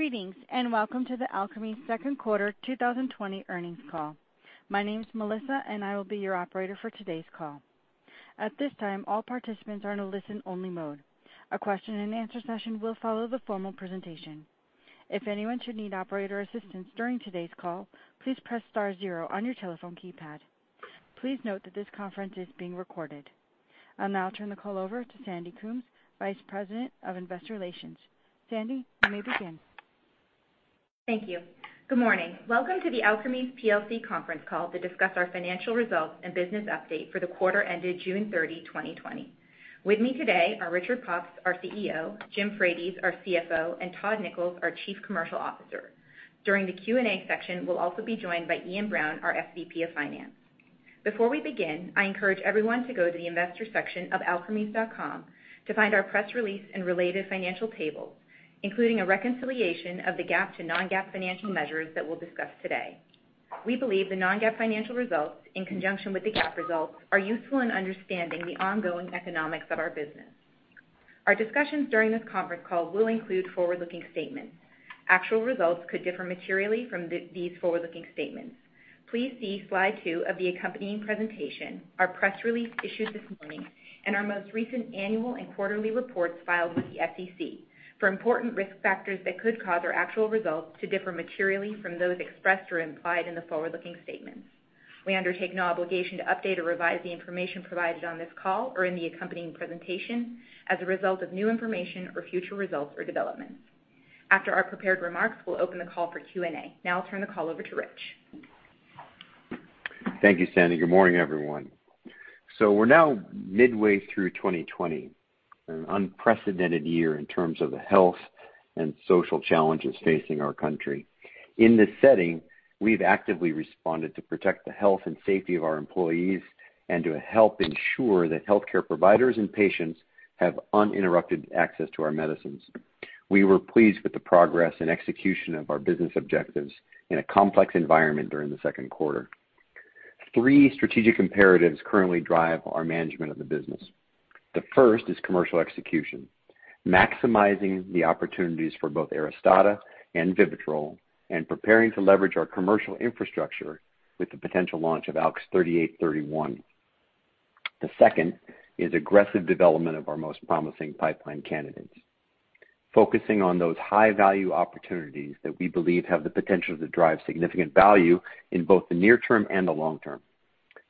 Greetings, welcome to the Alkermes Second Quarter 2020 Earnings Call. My name is Melissa, and I will be your operator for today's call. At this time, all participants are in a listen-only mode. A question-and-answer session will follow the formal presentation. If anyone should need operator assistance during today's call, please press star zero on your telephone keypad. Please note that this conference is being recorded. I'll now turn the call over to Sandy Coombs, Vice President of Investor Relations. Sandy, you may begin. Thank you. Good morning. Welcome to the Alkermes PLC conference call to discuss our financial results and business update for the quarter ended June 30, 2020. With me today are Richard Pops, our CEO, Jim Frates, our CFO, and Todd Nichols, our Chief Commercial Officer. During the Q&A section, we'll also be joined by Iain Brown, our SVP of Finance. Before we begin, I encourage everyone to go to the investor section of alkermes.com to find our press release and related financial tables, including a reconciliation of the GAAP to non-GAAP financial measures that we'll discuss today. We believe the non-GAAP financial results, in conjunction with the GAAP results, are useful in understanding the ongoing economics of our business. Our discussions during this conference call will include forward-looking statements. Actual results could differ materially from these forward-looking statements. Please see slide two of the accompanying presentation, our press release issued this morning, and our most recent annual and quarterly reports filed with the SEC for important risk factors that could cause our actual results to differ materially from those expressed or implied in the forward-looking statements. We undertake no obligation to update or revise the information provided on this call or in the accompanying presentation as a result of new information or future results or developments. After our prepared remarks, we'll open the call for Q&A. Now I'll turn the call over to Rich. Thank you, Sandy. Good morning, everyone. We're now midway through 2020, an unprecedented year in terms of the health and social challenges facing our country. In this setting, we've actively responded to protect the health and safety of our employees and to help ensure that healthcare providers and patients have uninterrupted access to our medicines. We were pleased with the progress and execution of our business objectives in a complex environment during the second quarter. Three strategic imperatives currently drive our management of the business. The first is commercial execution, maximizing the opportunities for both ARISTADA and VIVITROL, and preparing to leverage our commercial infrastructure with the potential launch of ALKS 3831. The second is aggressive development of our most promising pipeline candidates, focusing on those high-value opportunities that we believe have the potential to drive significant value in both the near term and the long term.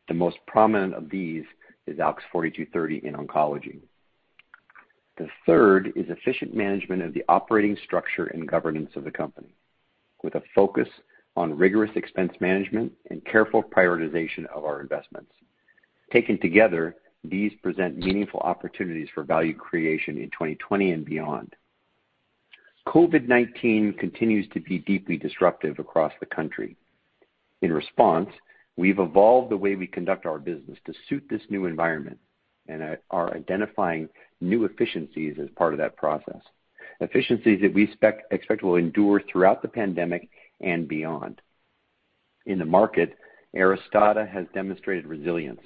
The most prominent of these is ALKS 4230 in oncology. The third is efficient management of the operating structure and governance of the company, with a focus on rigorous expense management and careful prioritization of our investments. Taken together, these present meaningful opportunities for value creation in 2020 and beyond. COVID-19 continues to be deeply disruptive across the country. In response, we've evolved the way we conduct our business to suit this new environment and are identifying new efficiencies as part of that process, efficiencies that we expect will endure throughout the pandemic and beyond. In the market, ARISTADA has demonstrated resilience,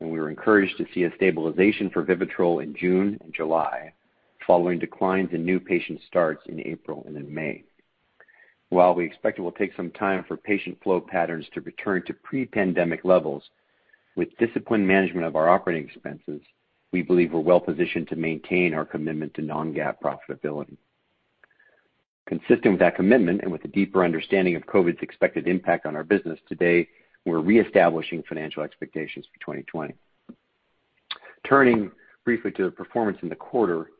and we were encouraged to see a stabilization for VIVITROL in June and July, following declines in new patient starts in April and in May. While we expect it will take some time for patient flow patterns to return to pre-pandemic levels, with disciplined management of our operating expenses, we believe we're well-positioned to maintain our commitment to non-GAAP profitability. Consistent with that commitment and with a deeper understanding of COVID's expected impact on our business, today, we're reestablishing financial expectations for 2020. Turning briefly to the performance in the quarter.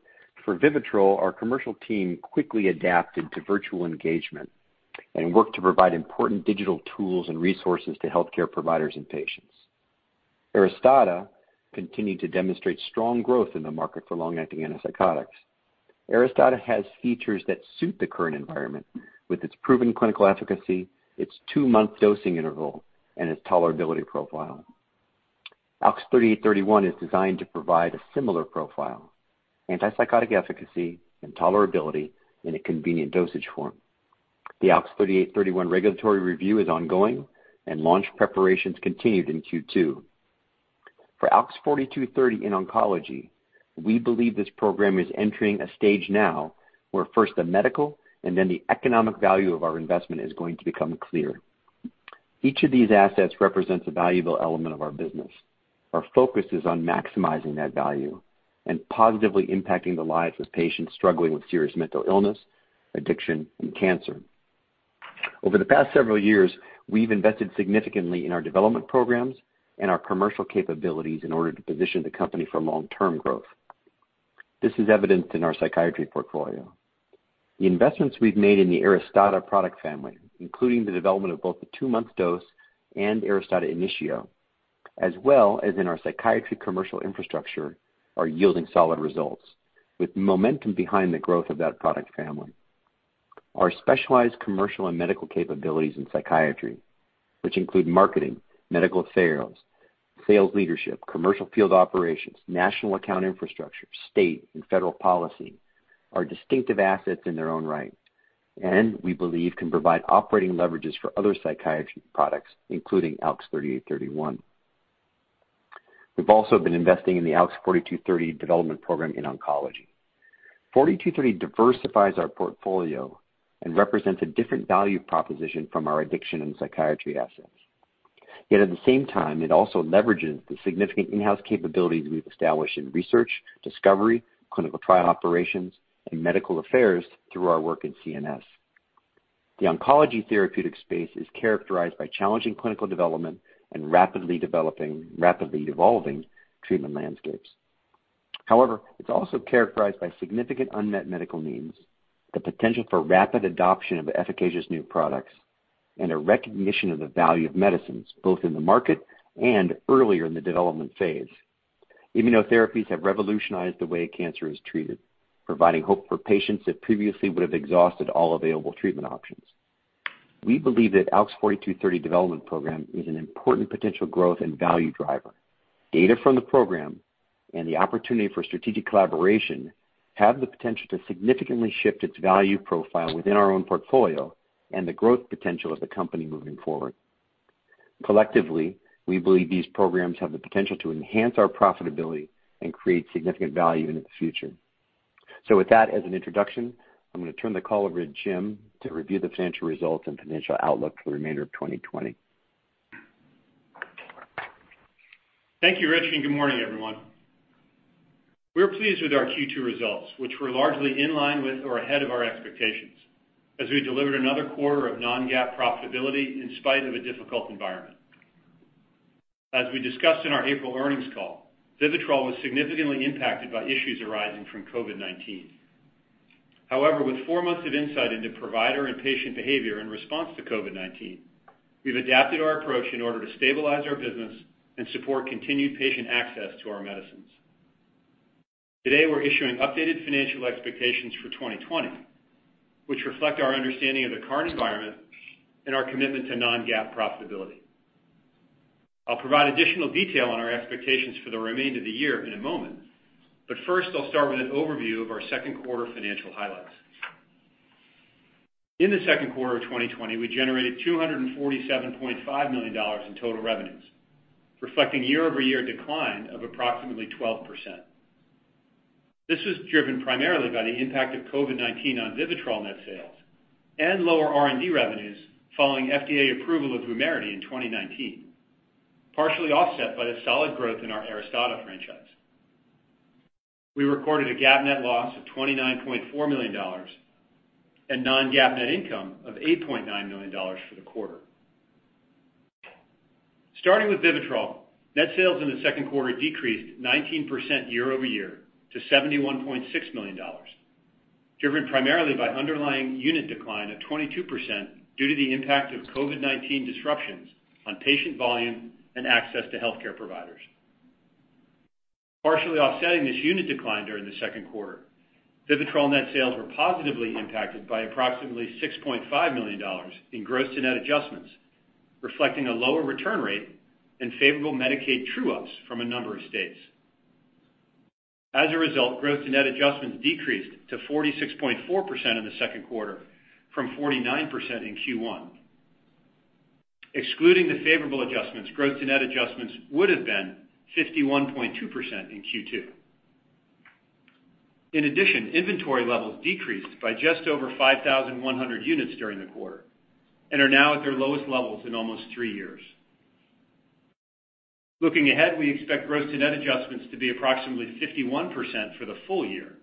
For VIVITROL, our commercial team quickly adapted to virtual engagement and worked to provide important digital tools and resources to healthcare providers and patients. ARISTADA continued to demonstrate strong growth in the market for long-acting antipsychotics. ARISTADA has features that suit the current environment with its proven clinical efficacy, its two-month dosing interval, and its tolerability profile. ALKS 3831 is designed to provide a similar profile: antipsychotic efficacy and tolerability in a convenient dosage form. The ALKS 3831 regulatory review is ongoing, and launch preparations continued in Q2. ALKS 4230 in oncology, we believe this program is entering a stage now where first the medical and then the economic value of our investment is going to become clear. Each of these assets represents a valuable element of our business. Our focus is on maximizing that value and positively impacting the lives of patients struggling with serious mental illness, addiction, and cancer. Over the past several years, we've invested significantly in our development programs and our commercial capabilities in order to position the company for long-term growth. This is evidenced in our psychiatry portfolio. The investments we've made in the ARISTADA product family, including the development of both the two-month dose and ARISTADA INITIO, as well as in our psychiatry commercial infrastructure, are yielding solid results with momentum behind the growth of that product family. Our specialized commercial and medical capabilities in psychiatry, which include marketing, medical affairs, sales leadership, commercial field operations, national account infrastructure, state and federal policy are distinctive assets in their own right and we believe can provide operating leverages for other psychiatry products, including ALKS 3831. We've also been investing in the ALKS 4230 development program in oncology. ALKS 4230 diversifies our portfolio and represents a different value proposition from our addiction and psychiatry assets. Yet at the same time, it also leverages the significant in-house capabilities we've established in research, discovery, clinical trial operations, and medical affairs through our work in CNS. The oncology therapeutic space is characterized by challenging clinical development and rapidly evolving treatment landscapes. However, it's also characterized by significant unmet medical needs, the potential for rapid adoption of efficacious new products, and a recognition of the value of medicines both in the market and earlier in the development phase. Immunotherapies have revolutionized the way cancer is treated, providing hope for patients that previously would've exhausted all available treatment options. We believe that ALKS 4230 development program is an important potential growth and value driver. Data from the program and the opportunity for strategic collaboration have the potential to significantly shift its value profile within our own portfolio and the growth potential of the company moving forward. Collectively, we believe these programs have the potential to enhance our profitability and create significant value in the future. With that as an introduction, I'm going to turn the call over to Jim to review the financial results and financial outlook for the remainder of 2020. Thank you, Rich, and good morning, everyone. We are pleased with our Q2 results, which were largely in line with or ahead of our expectations as we delivered another quarter of non-GAAP profitability in spite of a difficult environment. As we discussed in our April earnings call, VIVITROL was significantly impacted by issues arising from COVID-19. However, with four months of insight into provider and patient behavior in response to COVID-19, we've adapted our approach in order to stabilize our business and support continued patient access to our medicines. Today, we're issuing updated financial expectations for 2020, which reflect our understanding of the current environment and our commitment to non-GAAP profitability. I'll provide additional detail on our expectations for the remainder of the year in a moment, but first, I'll start with an overview of our second quarter financial highlights. In the second quarter of 2020, we generated $247.5 million in total revenues, reflecting year-over-year decline of approximately 12%. This was driven primarily by the impact of COVID-19 on VIVITROL net sales and lower R&D revenues following FDA approval of VUMERITY in 2019, partially offset by the solid growth in our ARISTADA franchise. We recorded a GAAP net loss of $29.4 million and non-GAAP net income of $8.9 million for the quarter. Starting with VIVITROL, net sales in the second quarter decreased 19% year-over-year to $71.6 million, driven primarily by underlying unit decline of 22% due to the impact of COVID-19 disruptions on patient volume and access to healthcare providers. Partially offsetting this unit decline during the second quarter, VIVITROL net sales were positively impacted by approximately $6.5 million in gross to net adjustments, reflecting a lower return rate and favorable Medicaid true-ups from a number of states. As a result, gross to net adjustments decreased to 46.4% in the second quarter from 49% in Q1. Excluding the favorable adjustments, gross to net adjustments would've been 51.2% in Q2. In addition, inventory levels decreased by just over 5,100 units during the quarter and are now at their lowest levels in almost three years. Looking ahead, we expect gross to net adjustments to be approximately 51% for the full year.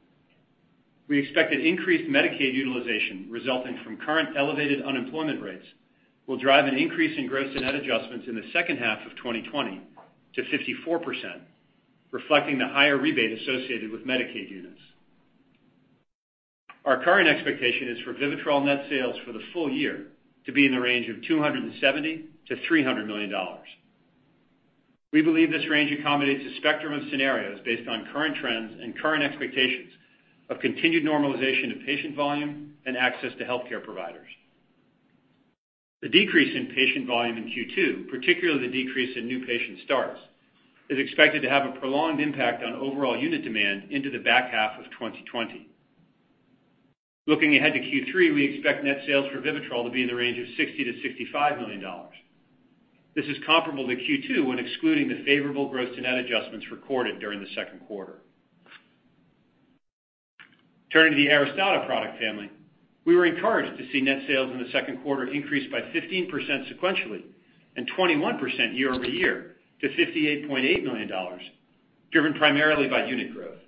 We expect that increased Medicaid utilization resulting from current elevated unemployment rates will drive an increase in gross to net adjustments in the second half of 2020 to 54%, reflecting the higher rebate associated with Medicaid units. Our current expectation is for VIVITROL net sales for the full year to be in the range of $270 million-$300 million. We believe this range accommodates a spectrum of scenarios based on current trends and current expectations of continued normalization of patient volume and access to healthcare providers. The decrease in patient volume in Q2, particularly the decrease in new patient starts, is expected to have a prolonged impact on overall unit demand into the back half of 2020. Looking ahead to Q3, we expect net sales for VIVITROL to be in the range of $60 million-$65 million. This is comparable to Q2 when excluding the favorable gross to net adjustments recorded during the second quarter. Turning to the ARISTADA product family, we were encouraged to see net sales in the second quarter increase by 15% sequentially and 21% year-over-year to $58.8 million, driven primarily by unit growth.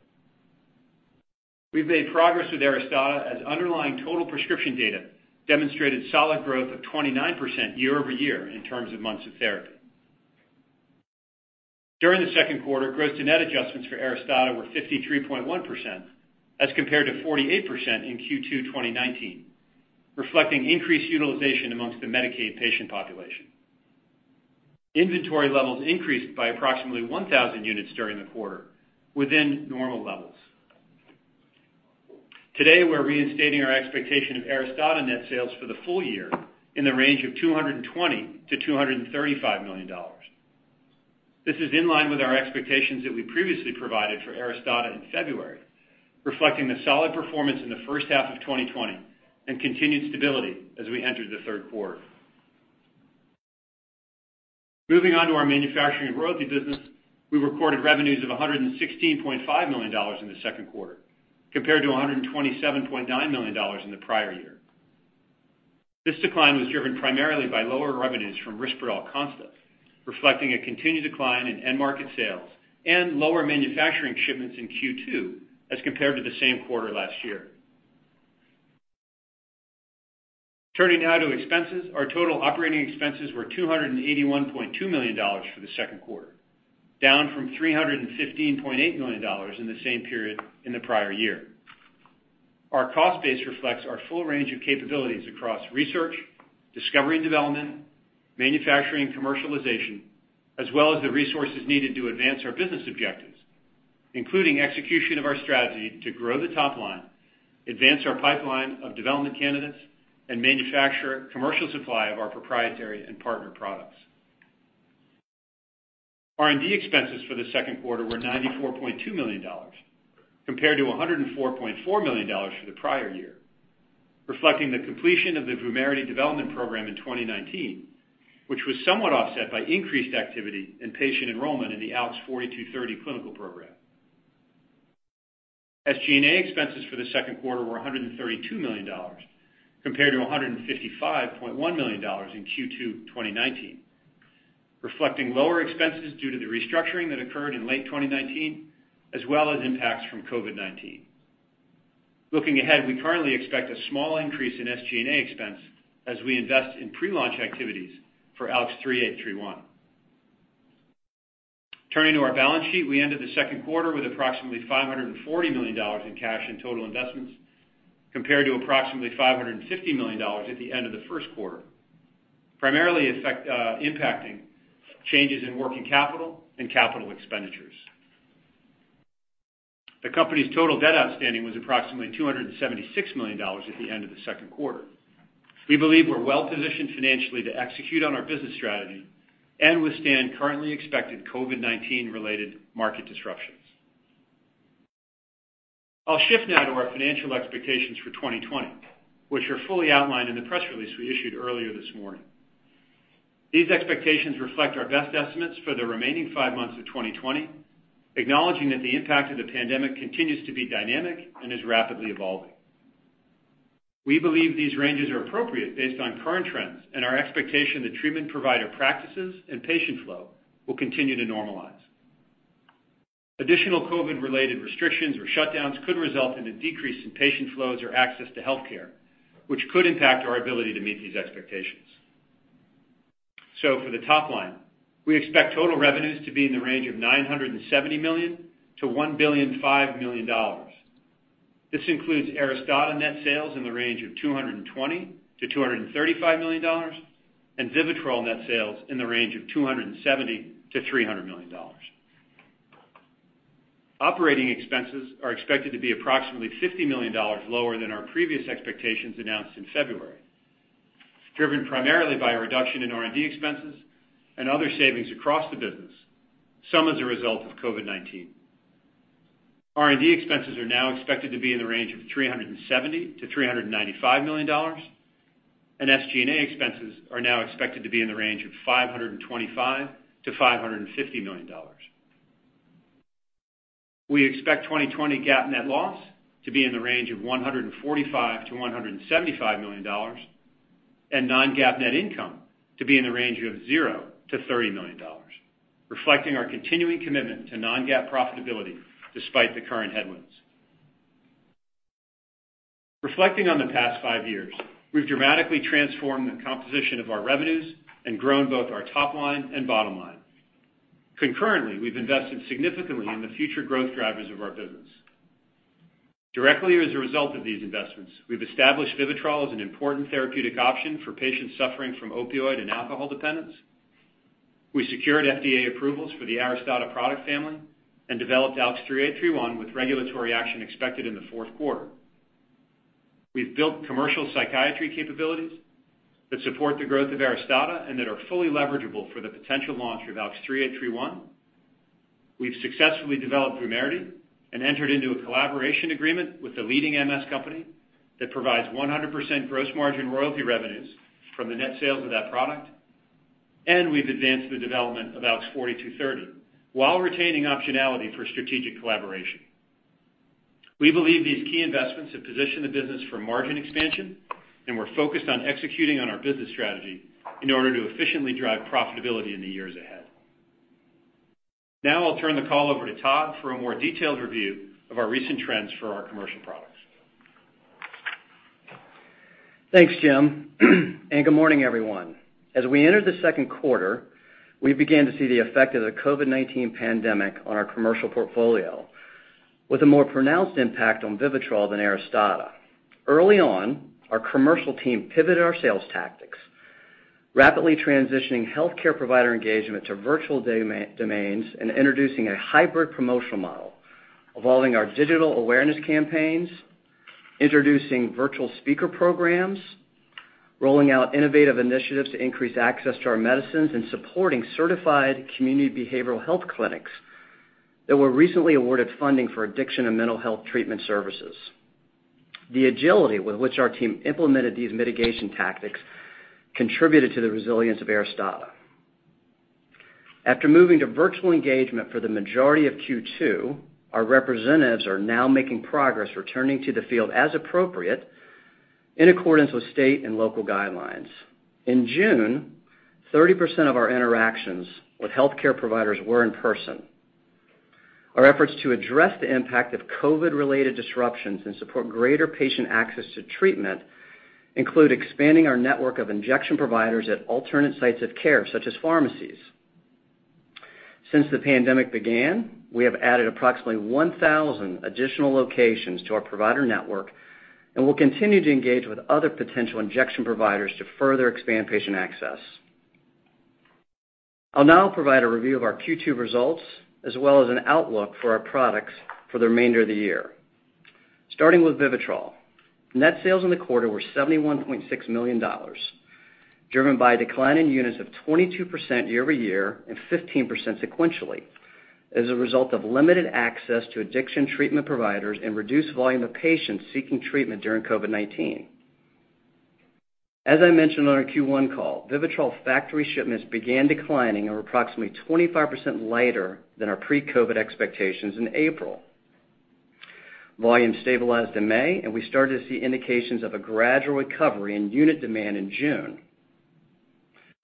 We've made progress with ARISTADA as underlying total prescription data demonstrated solid growth of 29% year-over-year in terms of months of therapy. During the second quarter, gross to net adjustments for ARISTADA were 53.1% as compared to 48% in Q2 2019, reflecting increased utilization amongst the Medicaid patient population. Inventory levels increased by approximately 1,000 units during the quarter within normal levels. Today, we're reinstating our expectation of ARISTADA net sales for the full year in the range of $220 million-$235 million. This is in line with our expectations that we previously provided for ARISTADA in February. Reflecting the solid performance in the first half of 2020 and continued stability as we entered the third quarter. Moving on to our manufacturing royalty business, we recorded revenues of $116.5 million in the second quarter, compared to $127.9 million in the prior year. This decline was driven primarily by lower revenues from RISPERDAL CONSTA, reflecting a continued decline in end market sales and lower manufacturing shipments in Q2 as compared to the same quarter last year. Turning now to expenses. Our total operating expenses were $281.2 million for the second quarter, down from $315.8 million in the same period in the prior year. Our cost base reflects our full range of capabilities across research, discovery and development, manufacturing and commercialization, as well as the resources needed to advance our business objectives, including execution of our strategy to grow the top line, advance our pipeline of development candidates, and manufacture commercial supply of our proprietary and partner products. R&D expenses for the second quarter were $94.2 million, compared to $104.4 million for the prior year, reflecting the completion of the VUMERITY development program in 2019, which was somewhat offset by increased activity in patient enrollment in the ALKS 4230 clinical program. SG&A expenses for the second quarter were $132 million, compared to $155.1 million in Q2 2019, reflecting lower expenses due to the restructuring that occurred in late 2019, as well as impacts from COVID-19. Looking ahead, we currently expect a small increase in SG&A expense as we invest in pre-launch activities for ALKS 3831. Turning to our balance sheet. We ended the second quarter with approximately $540 million in cash and total investments, compared to approximately $550 million at the end of the first quarter, primarily impacting changes in working capital and capital expenditures. The company's total debt outstanding was approximately $276 million at the end of the second quarter. We believe we're well-positioned financially to execute on our business strategy and withstand currently expected COVID-19 related market disruptions. I'll shift now to our financial expectations for 2020, which are fully outlined in the press release we issued earlier this morning. These expectations reflect our best estimates for the remaining five months of 2020, acknowledging that the impact of the pandemic continues to be dynamic and is rapidly evolving. We believe these ranges are appropriate based on current trends and our expectation that treatment provider practices and patient flow will continue to normalize. Additional COVID related restrictions or shutdowns could result in a decrease in patient flows or access to healthcare, which could impact our ability to meet these expectations. For the top line, we expect total revenues to be in the range of $970 million to $1.005 billion. This includes ARISTADA net sales in the range of $220 million-$235 million, and VIVITROL net sales in the range of $270 million-$300 million. Operating expenses are expected to be approximately $50 million lower than our previous expectations announced in February, driven primarily by a reduction in R&D expenses and other savings across the business, some as a result of COVID-19. R&D expenses are now expected to be in the range of $370 million-$395 million, and SG&A expenses are now expected to be in the range of $525 million-$550 million. We expect 2020 GAAP net loss to be in the range of $145 million-$175 million, and non-GAAP net income to be in the range of $0-$30 million, reflecting our continuing commitment to non-GAAP profitability despite the current headwinds. Reflecting on the past five years, we've dramatically transformed the composition of our revenues and grown both our top line and bottom line. Concurrently, we've invested significantly in the future growth drivers of our business. Directly as a result of these investments, we've established VIVITROL as an important therapeutic option for patients suffering from opioid and alcohol dependence. We secured FDA approvals for the ARISTADA product family and developed ALKS 3831 with regulatory action expected in the fourth quarter. We've built commercial psychiatry capabilities that support the growth of ARISTADA and that are fully leverageable for the potential launch of ALKS 3831. We've successfully developed VUMERITY and entered into a collaboration agreement with the leading MS company that provides 100% gross margin royalty revenues from the net sales of that product. We've advanced the development of ALKS 4230 while retaining optionality for strategic collaboration. We believe these key investments have positioned the business for margin expansion, and we're focused on executing on our business strategy in order to efficiently drive profitability in the years ahead. Now I'll turn the call over to Todd for a more detailed review of our recent trends for our commercial products. Thanks, Jim. Good morning, everyone. As we entered the second quarter, we began to see the effect of the COVID-19 pandemic on our commercial portfolio with a more pronounced impact on VIVITROL than ARISTADA. Early on, our commercial team pivoted our sales tactics, rapidly transitioning healthcare provider engagement to virtual domains and introducing a hybrid promotional model involving our digital awareness campaigns, introducing virtual speaker programs, rolling out innovative initiatives to increase access to our medicines and supporting certified community behavioral health clinics that were recently awarded funding for addiction and mental health treatment services. The agility with which our team implemented these mitigation tactics contributed to the resilience of ARISTADA. After moving to virtual engagement for the majority of Q2, our representatives are now making progress returning to the field as appropriate in accordance with state and local guidelines. In June, 30% of our interactions with healthcare providers were in person. Our efforts to address the impact of COVID-related disruptions and support greater patient access to treatment include expanding our network of injection providers at alternate sites of care, such as pharmacies. Since the pandemic began, we have added approximately 1,000 additional locations to our provider network and will continue to engage with other potential injection providers to further expand patient access. I'll now provide a review of our Q2 results as well as an outlook for our products for the remainder of the year. Starting with VIVITROL. Net sales in the quarter were $71.6 million, driven by a decline in units of 22% year-over-year and 15% sequentially as a result of limited access to addiction treatment providers and reduced volume of patients seeking treatment during COVID-19. As I mentioned on our Q1 call, VIVITROL factory shipments began declining or approximately 25% lighter than our pre-COVID expectations in April. Volume stabilized in May, and we started to see indications of a gradual recovery in unit demand in June.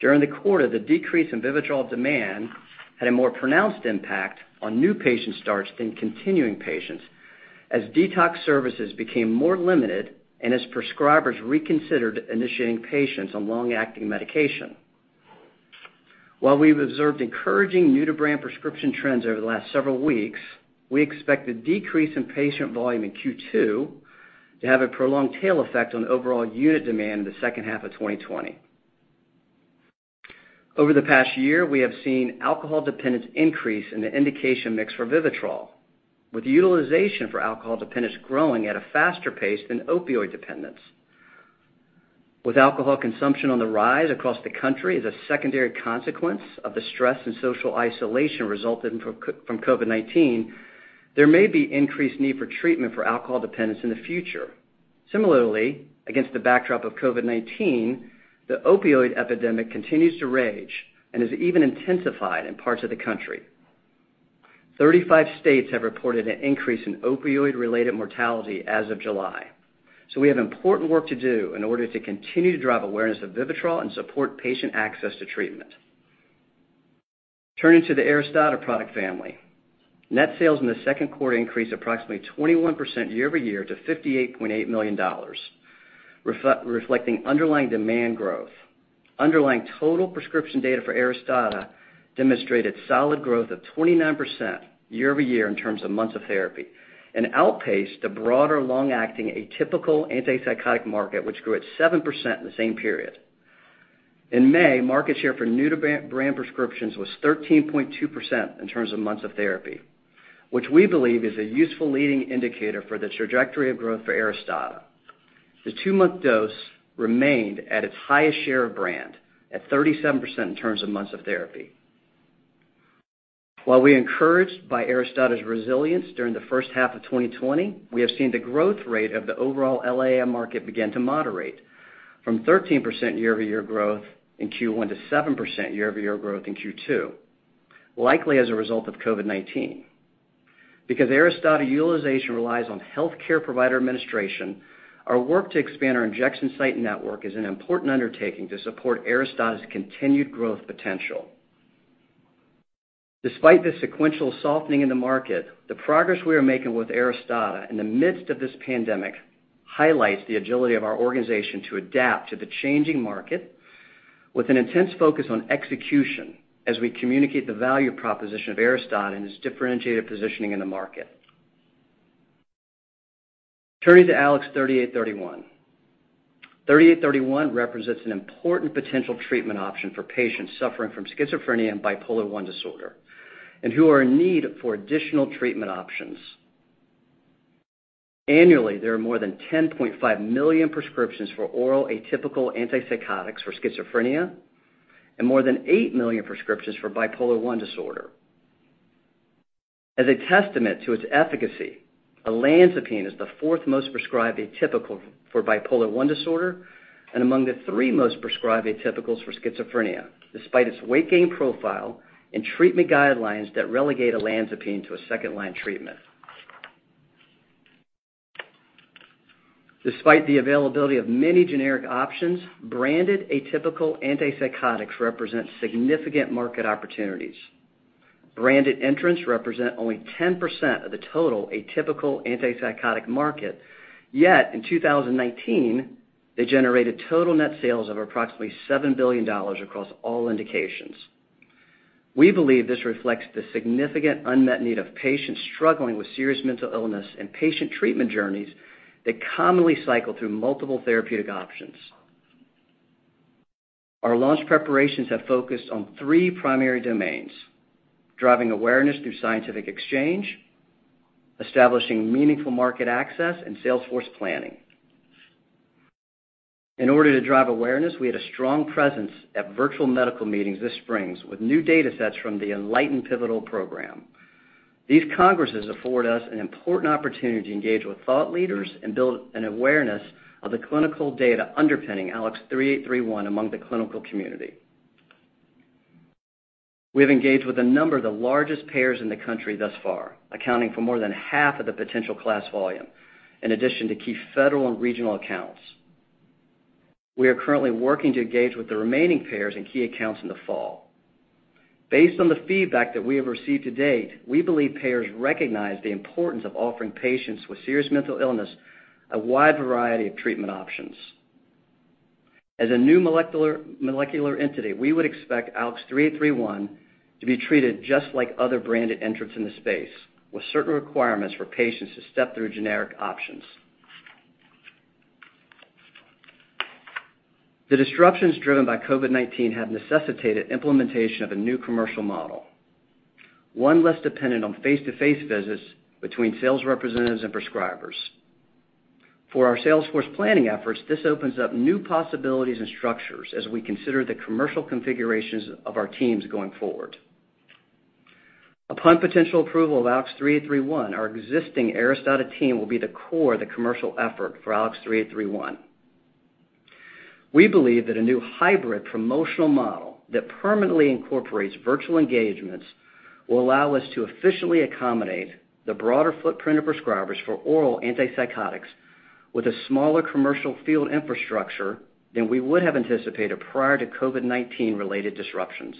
During the quarter, the decrease in VIVITROL demand had a more pronounced impact on new patient starts than continuing patients as detox services became more limited and as prescribers reconsidered initiating patients on long-acting medication. While we've observed encouraging new-to-brand prescription trends over the last several weeks, we expect the decrease in patient volume in Q2 to have a prolonged tail effect on overall unit demand in the second half of 2020. Over the past one year, we have seen alcohol dependence increase in the indication mix for VIVITROL, with utilization for alcohol dependence growing at a faster pace than opioid dependence. With alcohol consumption on the rise across the country as a secondary consequence of the stress and social isolation resulting from COVID-19, there may be increased need for treatment for alcohol dependence in the future. Similarly, against the backdrop of COVID-19, the opioid epidemic continues to rage and has even intensified in parts of the country. 35 states have reported an increase in opioid-related mortality as of July. We have important work to do in order to continue to drive awareness of VIVITROL and support patient access to treatment. Turning to the ARISTADA product family. Net sales in the second quarter increased approximately 21% year-over-year to $58.8 million, reflecting underlying demand growth. Underlying total prescription data for ARISTADA demonstrated solid growth of 29% year-over-year in terms of months of therapy and outpaced the broader long-acting atypical antipsychotic market, which grew at 7% in the same period. In May, market share for new-to-brand prescriptions was 13.2% in terms of months of therapy, which we believe is a useful leading indicator for the trajectory of growth for ARISTADA. The two-month dose remained at its highest share of brand at 37% in terms of months of therapy. While we're encouraged by ARISTADA's resilience during the first half of 2020, we have seen the growth rate of the overall LAI market begin to moderate from 13% year-over-year growth in Q1 to 7% year-over-year growth in Q2, likely as a result of COVID-19. Because ARISTADA utilization relies on healthcare provider administration, our work to expand our injection site network is an important undertaking to support ARISTADA's continued growth potential. Despite the sequential softening in the market, the progress we are making with ARISTADA in the midst of this pandemic highlights the agility of our organization to adapt to the changing market with an intense focus on execution as we communicate the value proposition of ARISTADA and its differentiated positioning in the market. Turning to ALKS 3831. ALKS 3831 represents an important potential treatment option for patients suffering from schizophrenia and bipolar I disorder and who are in need for additional treatment options. Annually, there are more than 10.5 million prescriptions for oral atypical antipsychotics for schizophrenia and more than 8 million prescriptions for bipolar I disorder. As a testament to its efficacy, olanzapine is the fourth most prescribed atypical for bipolar I disorder and among the three most prescribed atypicals for schizophrenia, despite its weight gain profile and treatment guidelines that relegate olanzapine to a second-line treatment. Despite the availability of many generic options, branded atypical antipsychotics represent significant market opportunities. Branded entrants represent only 10% of the total atypical antipsychotic market, yet in 2019, they generated total net sales of approximately $7 billion across all indications. We believe this reflects the significant unmet need of patients struggling with serious mental illness and patient treatment journeys that commonly cycle through multiple therapeutic options. Our launch preparations have focused on three primary domains: driving awareness through scientific exchange, establishing meaningful market access, and sales force planning. In order to drive awareness, we had a strong presence at virtual medical meetings this spring with new data sets from the ENLIGHTEN pivotal program. These congresses afford us an important opportunity to engage with thought leaders and build an awareness of the clinical data underpinning ALKS 3831 among the clinical community. We have engaged with a number of the largest payers in the country thus far, accounting for more than half of the potential class volume, in addition to key federal and regional accounts. We are currently working to engage with the remaining payers and key accounts in the fall. Based on the feedback that we have received to date, we believe payers recognize the importance of offering patients with serious mental illness a wide variety of treatment options. As a new molecular entity, we would expect ALKS 3831 to be treated just like other branded entrants in the space, with certain requirements for patients to step through generic options. The disruptions driven by COVID-19 have necessitated implementation of a new commercial model, one less dependent on face-to-face visits between sales representatives and prescribers. For our sales force planning efforts, this opens up new possibilities and structures as we consider the commercial configurations of our teams going forward. Upon potential approval of ALKS 3831, our existing ARISTADA team will be the core of the commercial effort for ALKS 3831. We believe that a new hybrid promotional model that permanently incorporates virtual engagements will allow us to efficiently accommodate the broader footprint of prescribers for oral antipsychotics with a smaller commercial field infrastructure than we would have anticipated prior to COVID-19 related disruptions.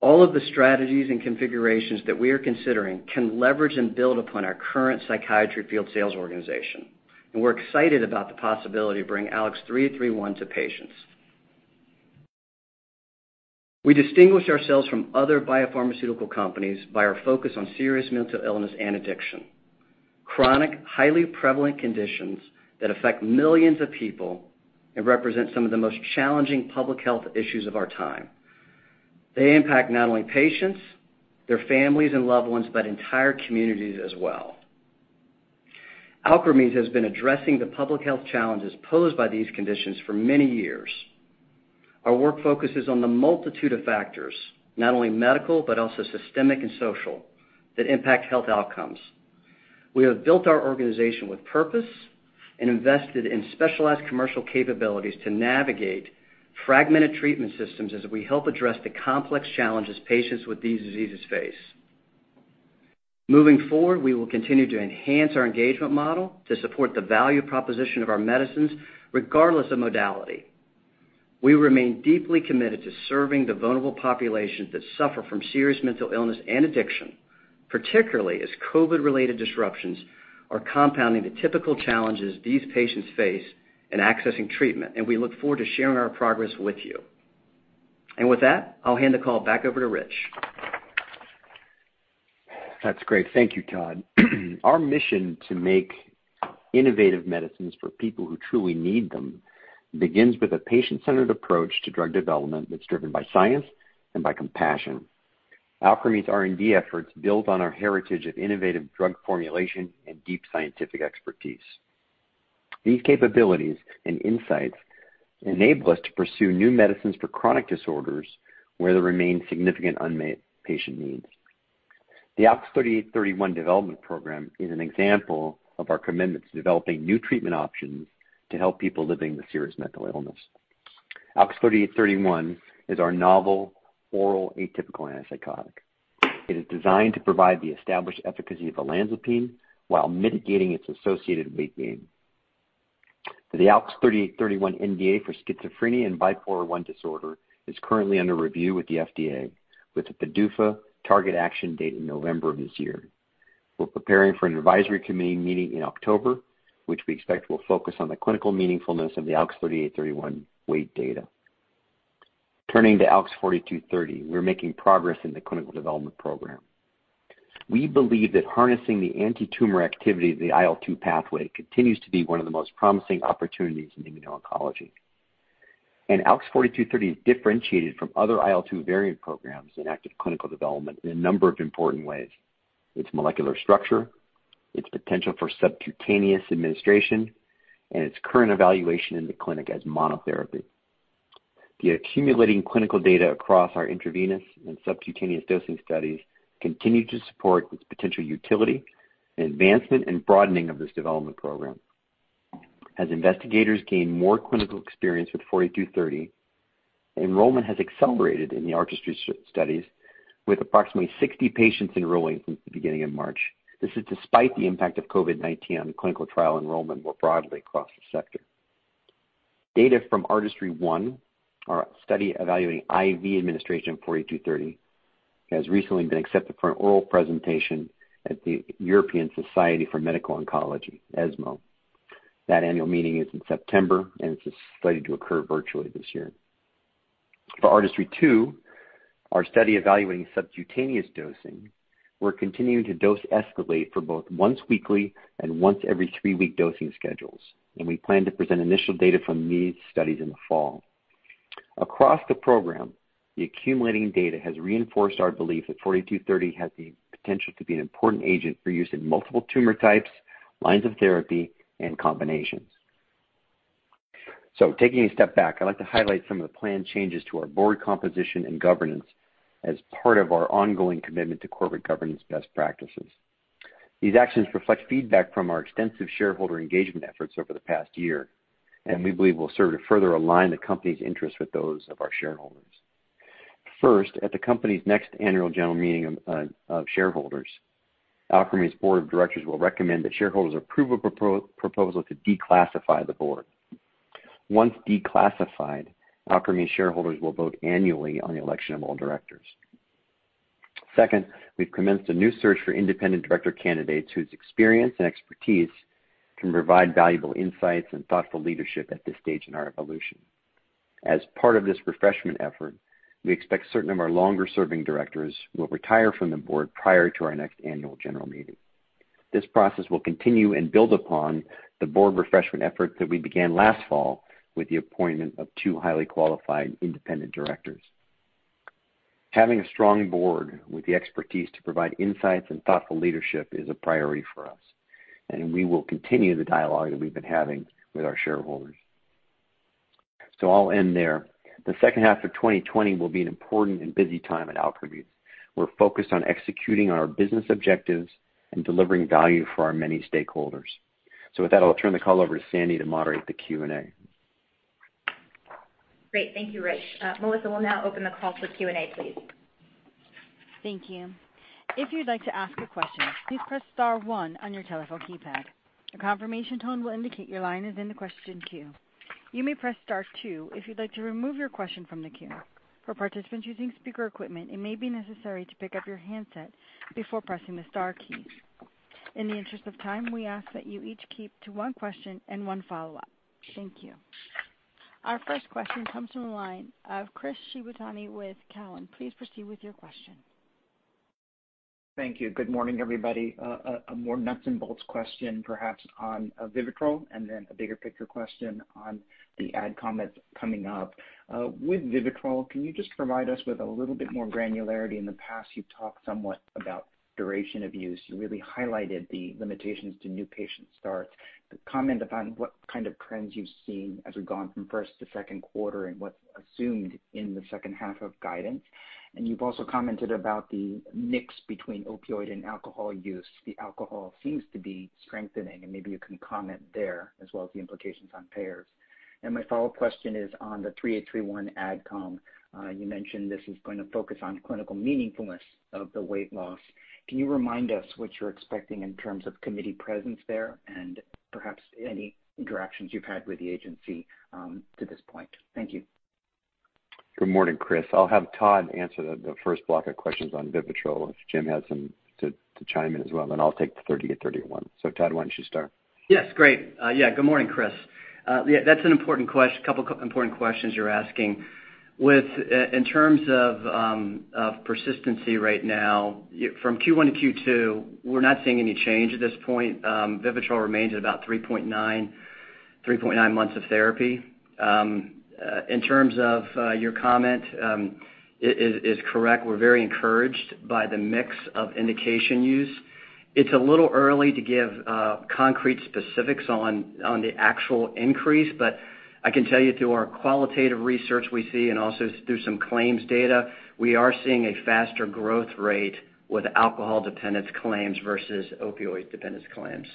All of the strategies and configurations that we are considering can leverage and build upon our current psychiatry field sales organization, and we're excited about the possibility to bring ALKS 3831 to patients. We distinguish ourselves from other biopharmaceutical companies by our focus on serious mental illness and addiction. Chronic, highly prevalent conditions that affect millions of people and represent some of the most challenging public health issues of our time. They impact not only patients, their families, and loved ones, but entire communities as well. Alkermes has been addressing the public health challenges posed by these conditions for many years. Our work focuses on the multitude of factors, not only medical, but also systemic and social, that impact health outcomes. We have built our organization with purpose and invested in specialized commercial capabilities to navigate fragmented treatment systems as we help address the complex challenges patients with these diseases face. Moving forward, we will continue to enhance our engagement model to support the value proposition of our medicines, regardless of modality. We remain deeply committed to serving the vulnerable populations that suffer from serious mental illness and addiction, particularly as COVID-related disruptions are compounding the typical challenges these patients face in accessing treatment, and we look forward to sharing our progress with you. With that, I'll hand the call back over to Rich. That's great. Thank you, Todd. Our mission to make innovative medicines for people who truly need them begins with a patient-centered approach to drug development that's driven by science and by compassion. Alkermes' R&D efforts build on our heritage of innovative drug formulation and deep scientific expertise. These capabilities and insights enable us to pursue new medicines for chronic disorders where there remain significant unmet patient needs. The ALKS 3831 development program is an example of our commitment to developing new treatment options to help people living with serious mental illness. ALKS 3831 is our novel oral atypical antipsychotic. It is designed to provide the established efficacy of olanzapine while mitigating its associated weight gain. The ALKS 3831 NDA for schizophrenia and bipolar I disorder is currently under review with the FDA, with a PDUFA target action date in November of this year. We're preparing for an advisory committee meeting in October, which we expect will focus on the clinical meaningfulness of the ALKS 3831 weight data. Turning to ALKS 4230, we're making progress in the clinical development program. We believe that harnessing the antitumor activity of the IL-2 pathway continues to be one of the most promising opportunities in immuno-oncology. ALKS 4230 is differentiated from other IL-2 variant programs in active clinical development in a number of important ways: its molecular structure, its potential for subcutaneous administration, and its current evaluation in the clinic as monotherapy. The accumulating clinical data across our intravenous and subcutaneous dosing studies continue to support its potential utility and advancement and broadening of this development program. As investigators gain more clinical experience with ALKS 4230, enrollment has accelerated in the ARTISTRY studies, with approximately 60 patients enrolling since the beginning of March. This is despite the impact of COVID-19 on clinical trial enrollment more broadly across the sector. Data from ARTISTRY-1, our study evaluating IV administration of 4230, has recently been accepted for an oral presentation at the European Society for Medical Oncology, ESMO. That annual meeting is in September, it's slated to occur virtually this year. For ARTISTRY-2, our study evaluating subcutaneous dosing, we're continuing to dose escalate for both once weekly and once every three-week dosing schedules, we plan to present initial data from these studies in the fall. Across the program, the accumulating data has reinforced our belief that ALKS 4230 has the potential to be an important agent for use in multiple tumor types, lines of therapy, and combinations. Taking a step back, I'd like to highlight some of the planned changes to our board composition and governance as part of our ongoing commitment to corporate governance best practices. These actions reflect feedback from our extensive shareholder engagement efforts over the past year, and we believe will serve to further align the company's interests with those of our shareholders. First, at the company's next annual general meeting of shareholders, Alkermes' Board of Directors will recommend that shareholders approve a proposal to declassify the Board. Once declassified, Alkermes shareholders will vote annually on the election of all Directors. Second, we've commenced a new search for independent director candidates whose experience and expertise can provide valuable insights and thoughtful leadership at this stage in our evolution. As part of this refreshment effort, we expect a certain number of our longer-serving Directors will retire from the board prior to our next Annual General Meeting. This process will continue and build upon the board refreshment efforts that we began last fall with the appointment of two highly qualified independent directors. Having a strong board with the expertise to provide insights and thoughtful leadership is a priority for us, and we will continue the dialogue that we've been having with our shareholders. I'll end there. The second half of 2020 will be an important and busy time at Alkermes. We're focused on executing our business objectives and delivering value for our many stakeholders. With that, I'll turn the call over to Sandy to moderate the Q&A. Great. Thank you, Rich. Melissa, we'll now open the call for Q&A, please. Thank you. If you'd like to ask a question, please press star one on your telephone keypad. A confirmation tone will indicate your line is in the question queue. You may press star two if you'd like to remove your question from the queue. For participants using speaker equipment, it may be necessary to pick up your handset before pressing the star key. In the interest of time, we ask that you each keep to one question and one follow-up. Thank you. Our first question comes from the line of Chris Shibutani with Cowen. Please proceed with your question. Thank you. Good morning, everybody. A more nuts and bolts question, perhaps on VIVITROL, and then a bigger picture question on the AdComs coming up. With VIVITROL, can you just provide us with a little bit more granularity? In the past, you've talked somewhat about duration of use. You really highlighted the limitations to new patient starts. Comment upon what kind of trends you've seen as we've gone from first to second quarter and what's assumed in the second half of guidance. You've also commented about the mix between opioid and alcohol use. The alcohol seems to be strengthening, and maybe you can comment there as well as the implications on payers. My follow-up question is on the ALKS 3831 AdCom. You mentioned this is going to focus on clinical meaningfulness of the weight loss. Can you remind us what you're expecting in terms of committee presence there and perhaps any interactions you've had with the agency to this point? Thank you. Good morning, Chris. I'll have Todd answer the first block of questions on VIVITROL if Jim has some to chime in as well, then I'll take the ALKS 3831. Todd, why don't you start? Yes. Great. Good morning, Chris. That's a couple of important questions you're asking. In terms of persistency right now, from Q1-Q2, we're not seeing any change at this point. VIVITROL remains at about three point nine months of therapy. In terms of your comment, is correct. We're very encouraged by the mix of indication use. It's a little early to give concrete specifics on the actual increase. I can tell you through our qualitative research we see and also through some claims data, we are seeing a faster growth rate with alcohol dependence claims versus opioid dependence claims.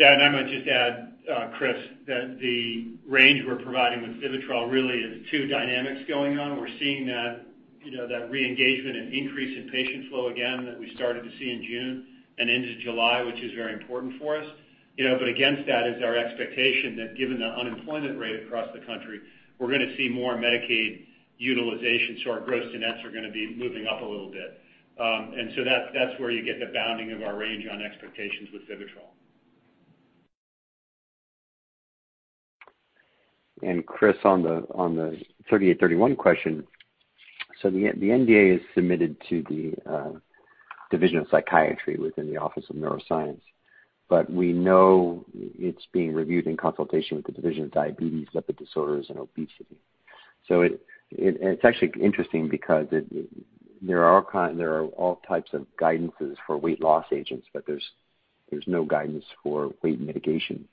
I might just add, Chris, that the range we're providing with VIVITROL really is two dynamics going on. We're seeing that re-engagement and increase in patient flow again that we started to see in June and into July, which is very important for us. Against that is our expectation that given the unemployment rate across the country, we're going to see more Medicaid utilization. Our gross to nets are going to be moving up a little bit. That's where you get the bounding of our range on expectations with VIVITROL. Chris, on the ALKS 3831 question, the NDA is submitted to the Division of Psychiatry within the Office of Neuroscience. We know it's being reviewed in consultation with the Division of Diabetes, Lipid Disorders, and Obesity. It's actually interesting because there are all types of guidances for weight loss agents, but there's no guidance for weight mitigation.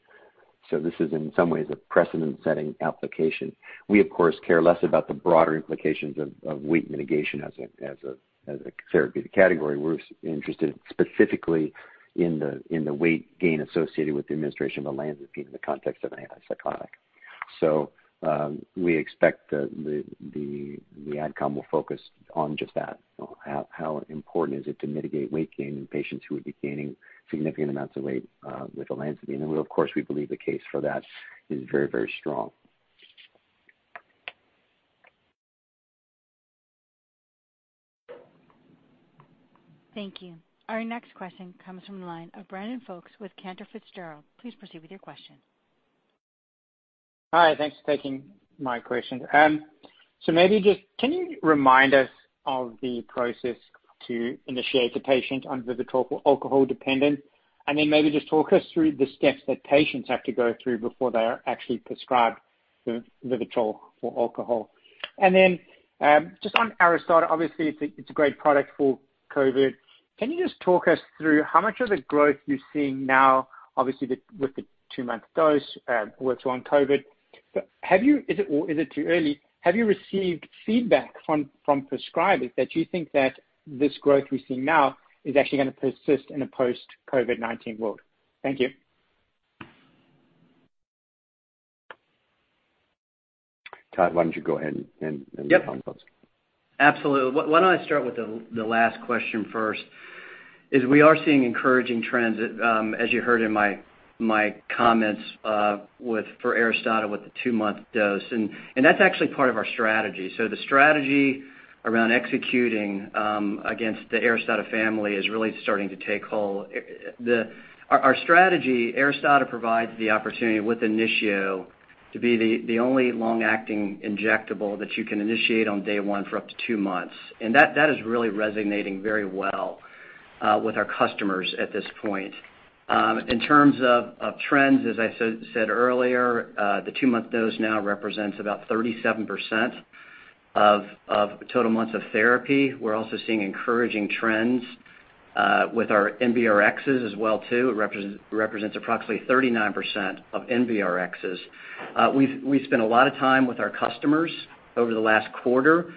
This is in some ways a precedent-setting application. We, of course, care less about the broader implications of weight mitigation as a therapeutic category. We're interested specifically in the weight gain associated with the administration of olanzapine in the context of an antipsychotic. We expect the AdCom will focus on just that. How important is it to mitigate weight gain in patients who would be gaining significant amounts of weight with olanzapine? We, of course, we believe the case for that is very strong. Thank you. Our next question comes from the line of Brandon Folkes with Cantor Fitzgerald. Please proceed with your question. Hi, thanks for taking my question. Maybe just can you remind us of the process to initiate the patient on VIVITROL for alcohol dependence, maybe just talk us through the steps that patients have to go through before they're actually prescribed VIVITROL for alcohol. Just on ARISTADA, obviously, it's a great product for COVID. Can you just talk us through how much of the growth you're seeing now, obviously, with the two-month dose works on COVID. Is it too early? Have you received feedback from prescribers that you think that this growth we're seeing now is actually going to persist in a post-COVID-19 world? Thank you. Todd, why don't you go ahead- Yep. ...respond to those. Absolutely. Why don't I start with the last question first, is we are seeing encouraging trends, as you heard in my comments for ARISTADA with the two-month dose. That's actually part of our strategy. The strategy around executing against the ARISTADA family is really starting to take hold. Our strategy, ARISTADA provides the opportunity with INITIO to be the only long-acting injectable that you can initiate on day one for up to two months. That is really resonating very well with our customers at this point. In terms of trends, as I said earlier, the two-month dose now represents about 37% of total months of therapy. We're also seeing encouraging trends with our NBRxs as well, too. It represents approximately 39% of NBRxs. We've spent a lot of time with our customers over the last quarter,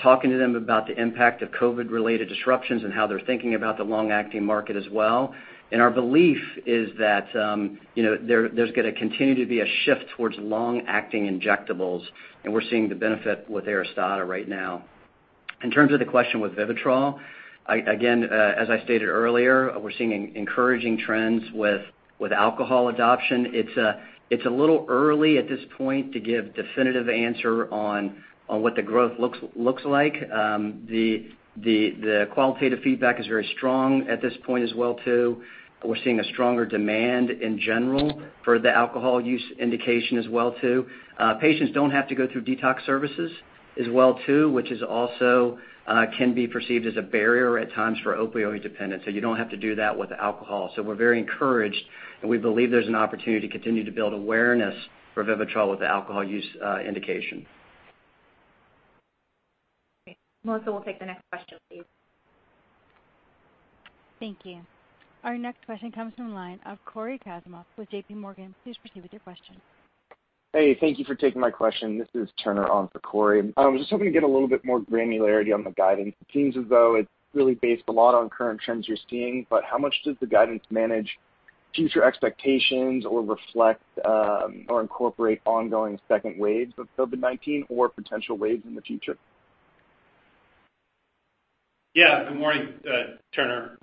talking to them about the impact of COVID-related disruptions and how they're thinking about the long-acting market as well. Our belief is that there's going to continue to be a shift towards long-acting injectables, and we're seeing the benefit with ARISTADA right now. In terms of the question with VIVITROL, again, as I stated earlier, we're seeing encouraging trends with alcohol adoption. It's a little early at this point to give definitive answer on what the growth looks like. The qualitative feedback is very strong at this point as well, too. We're seeing a stronger demand in general for the alcohol use indication as well, too. Patients don't have to go through detox services as well, too, which also can be perceived as a barrier at times for opioid dependence. You don't have to do that with alcohol. We're very encouraged, and we believe there's an opportunity to continue to build awareness for VIVITROL with the alcohol use indication. Okay. Melissa, we'll take the next question, please. Thank you. Our next question comes from the line of Cory Kasimov with JPMorgan. Please proceed with your question. Hey, thank you for taking my question. This is Turner on for Cory. I was just hoping to get a little bit more granularity on the guidance. It seems as though it's really based a lot on current trends you're seeing. How much does the guidance manage future expectations or reflect, or incorporate ongoing second waves of COVID-19 or potential waves in the future? Good morning, Turner.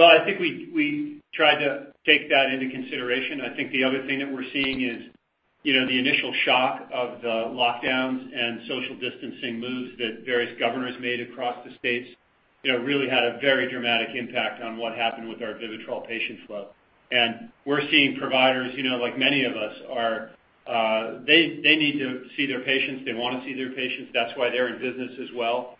Well, I think we tried to take that into consideration. I think the other thing that we're seeing is the initial shock of the lockdowns and social distancing moves that various governors made across the states really had a very dramatic impact on what happened with our VIVITROL patient flow. We're seeing providers, like many of us are, they need to see their patients. They want to see their patients. That's why they're in business as well.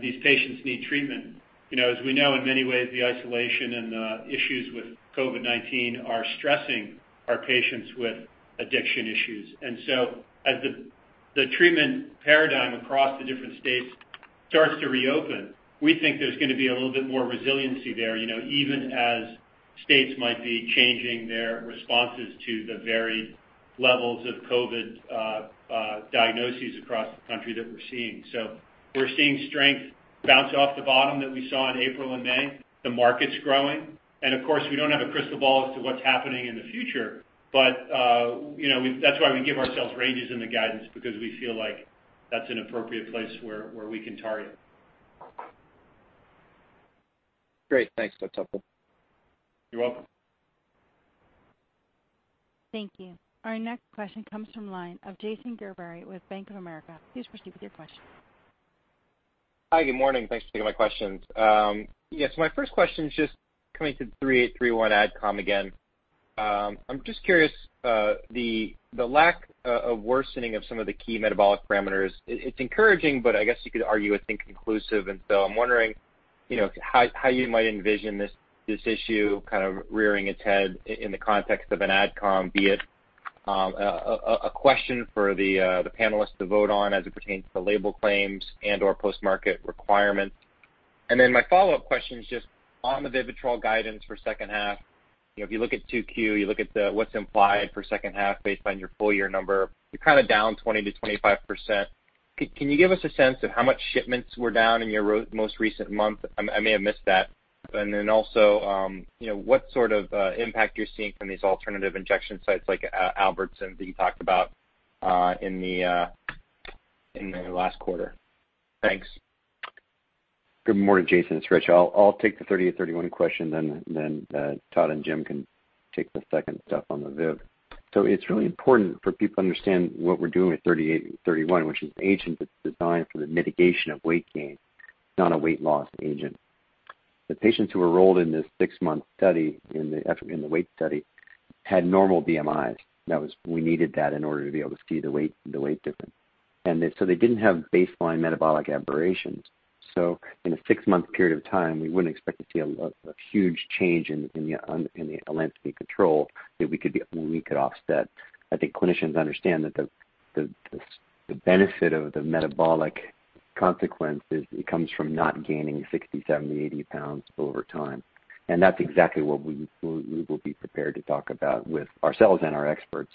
These patients need treatment. As we know, in many ways, the isolation and the issues with COVID-19 are stressing our patients with addiction issues. As the treatment paradigm across the different states starts to reopen, we think there's going to be a little bit more resiliency there, even as states might be changing their responses to the varied levels of COVID diagnoses across the country that we're seeing. We're seeing strength bounce off the bottom that we saw in April and May. The market's growing. Of course, we don't have a crystal ball as to what's happening in the future, but that's why we give ourselves ranges in the guidance because we feel like that's an appropriate place where we can target. Great. Thanks, that's helpful. You're welcome. Thank you. Our next question comes from the line of Jason Gerberry with Bank of America. Please proceed with your question. Hi, good morning. Thanks for taking my questions. Yes, my first question is just coming to the ALKS 3831 AdCom again. I'm just curious, the lack of worsening of some of the key metabolic parameters, it's encouraging, but I guess you could argue, I think, inconclusive. I'm wondering how you might envision this issue kind of rearing its head in the context of an AdCom, be it a question for the panelists to vote on as it pertains to label claims and/or Post-Marketing Requirements. My follow-up question is just on the VIVITROL guidance for second half. If you look at 2Q, you look at what's implied for second half based on your full year number, you're kind of down 20%-25%. Can you give us a sense of how much shipments were down in your most recent month? I may have missed that. Also, what sort of impact you're seeing from these alternative injection sites like Albertsons that you talked about in the last quarter. Thanks. Good morning, Jason. It's Rich. I'll take the ALKS 3831 question. Todd and Jim can take the second stuff on the VIV. It's really important for people to understand what we're doing with ALKS 3831, which is an agent that's designed for the mitigation of weight gain, not a weight loss agent. The patients who enrolled in this six-month study in the weight study had normal BMIs. We needed that in order to be able to see the weight difference. They didn't have baseline metabolic aberrations. In a six-month period of time, we wouldn't expect to see a huge change in the olanzapine control that we could offset. I think clinicians understand that the benefit of the metabolic consequence comes from not gaining 60 lb, 70 lb, 80 lb over time. That's exactly what we will be prepared to talk about with ourselves and our experts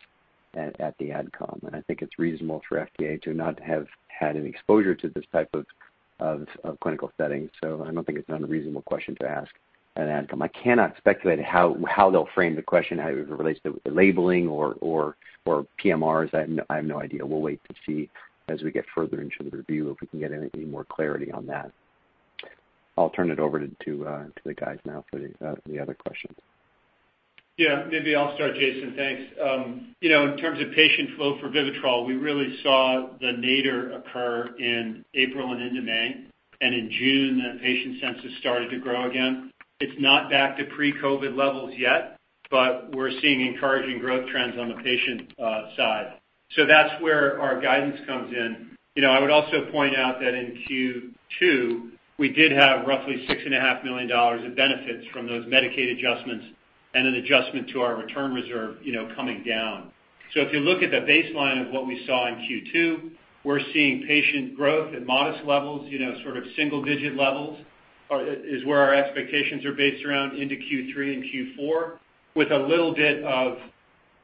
at the AdCom. I think it's reasonable for FDA to not have had any exposure to this type of clinical setting. I don't think it's an unreasonable question to ask at AdCom. I cannot speculate how they'll frame the question, how it relates to the labeling or PMRs. I have no idea. We'll wait to see as we get further into the review, if we can get any more clarity on that. I'll turn it over to the guys now for the other questions. Yeah. Maybe I'll start, Jason. Thanks. In terms of patient flow for VIVITROL, we really saw the nadir occur in April and into May. In June, that patient census started to grow again. It's not back to pre-COVID levels yet, but we're seeing encouraging growth trends on the patient side. That's where our guidance comes in. I would also point out that in Q2, we did have roughly $6.5 million of benefits from those Medicaid adjustments and an adjustment to our return reserve coming down. If you look at the baseline of what we saw in Q2, we're seeing patient growth at modest levels, sort of single-digit levels, is where our expectations are based around into Q3 and Q4 with a little bit of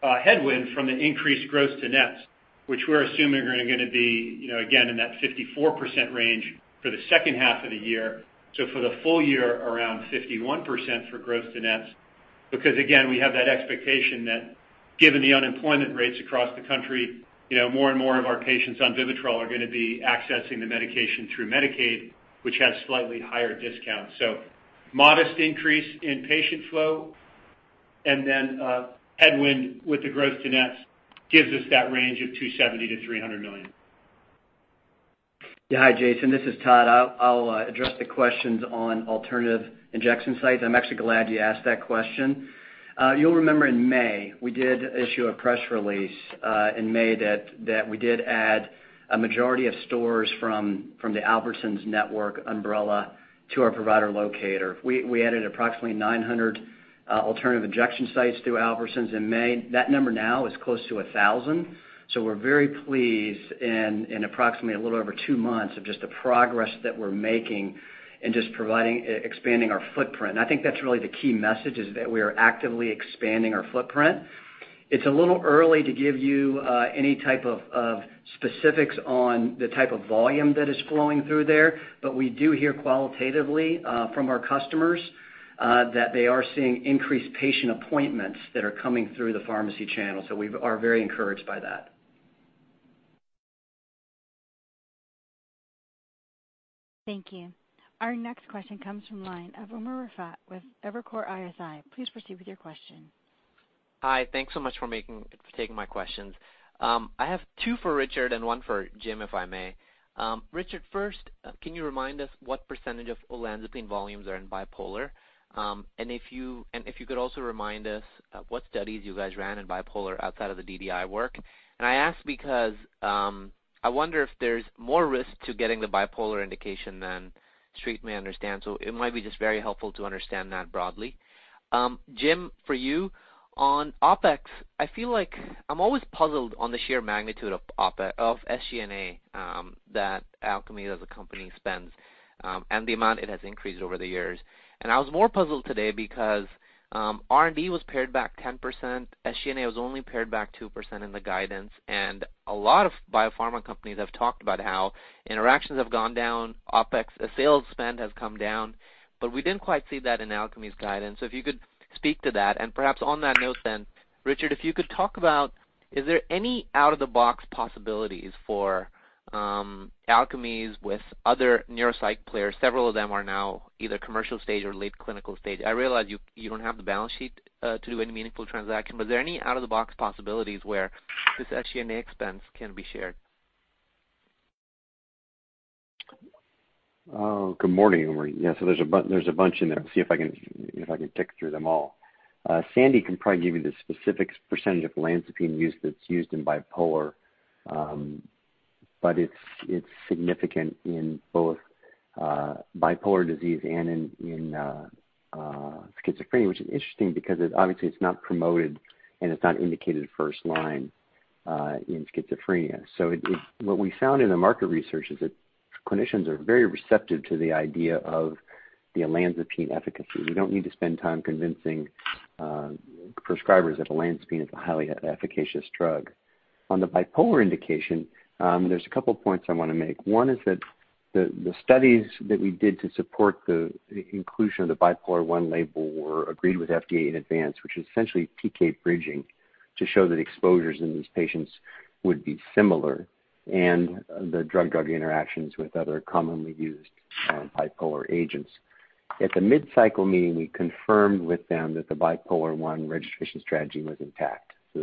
headwind from the increased gross to nets, which we're assuming are going to be, again, in that 54% range for the second half of the year. For the full year, around 51% for gross to nets. We have that expectation that given the unemployment rates across the country, more and more of our patients on VIVITROL are going to be accessing the medication through Medicaid, which has slightly higher discounts. Modest increase in patient flow and then headwind with the gross to nets gives us that range of $270 million-$300 million. Hi, Jason. This is Todd. I'll address the questions on alternative injection sites. I'm actually glad you asked that question. You'll remember in May, we did issue a press release in May that we did add a majority of stores from the Albertsons network umbrella to our provider locator. We added approximately 900 alternative injection sites through Albertsons in May. That number now is close to 1,000. We're very pleased in approximately a little over two months of just the progress that we're making in just expanding our footprint. I think that's really the key message is that we are actively expanding our footprint. It's a little early to give you any type of specifics on the type of volume that is flowing through there, but we do hear qualitatively from our customers that they are seeing increased patient appointments that are coming through the pharmacy channel. We are very encouraged by that. Thank you. Our next question comes from the line of Umer Raffat with Evercore ISI. Please proceed with your question. Hi, thanks so much for taking my questions. I have two for Richard and one for Jim, if I may. Richard, first, can you remind us what percentage of olanzapine volumes are in bipolar? If you could also remind us what studies you guys ran in bipolar outside of the DDI work. I ask because I wonder if there's more risk to getting the bipolar indication than treatment, I understand. It might be just very helpful to understand that broadly. Jim, for you, on OpEx, I feel like I'm always puzzled on the sheer magnitude of OpEx of SG&A that Alkermes as a company spends and the amount it has increased over the years. I was more puzzled today because R&D was pared back 10%, SG&A was only pared back 2% in the guidance. A lot of biopharma companies have talked about how interactions have gone down, OpEx sales spend has come down. We didn't quite see that in Alkermes' guidance. If you could speak to that. Perhaps on that note, Richard, if you could talk about, is there any out-of-the-box possibilities for Alkermes with other neuropsych players? Several of them are now either commercial stage or late clinical stage. I realize you don't have the balance sheet to do any meaningful transaction, but are there any out-of-the-box possibilities where this SG&A expense can be shared? Good morning, Umer. Yeah, there's a bunch in there. See if I can take through them all. Sandy can probably give you the specific percentage of olanzapine that's used in bipolar. It's significant in both bipolar disease and in schizophrenia, which is interesting because obviously it's not promoted and it's not indicated first line in schizophrenia. What we found in the market research is that clinicians are very receptive to the idea of the olanzapine efficacy. We don't need to spend time convincing prescribers that olanzapine is a highly efficacious drug. On the bipolar indication, there's a couple points I want to make. One is that the studies that we did to support the inclusion of the Bipolar I label were agreed with FDA in advance, which is essentially PK bridging to show that exposures in these patients would be similar, and the drug-drug interactions with other commonly used bipolar agents. At the mid-cycle meeting, we confirmed with them that the Bipolar I registration strategy was intact, so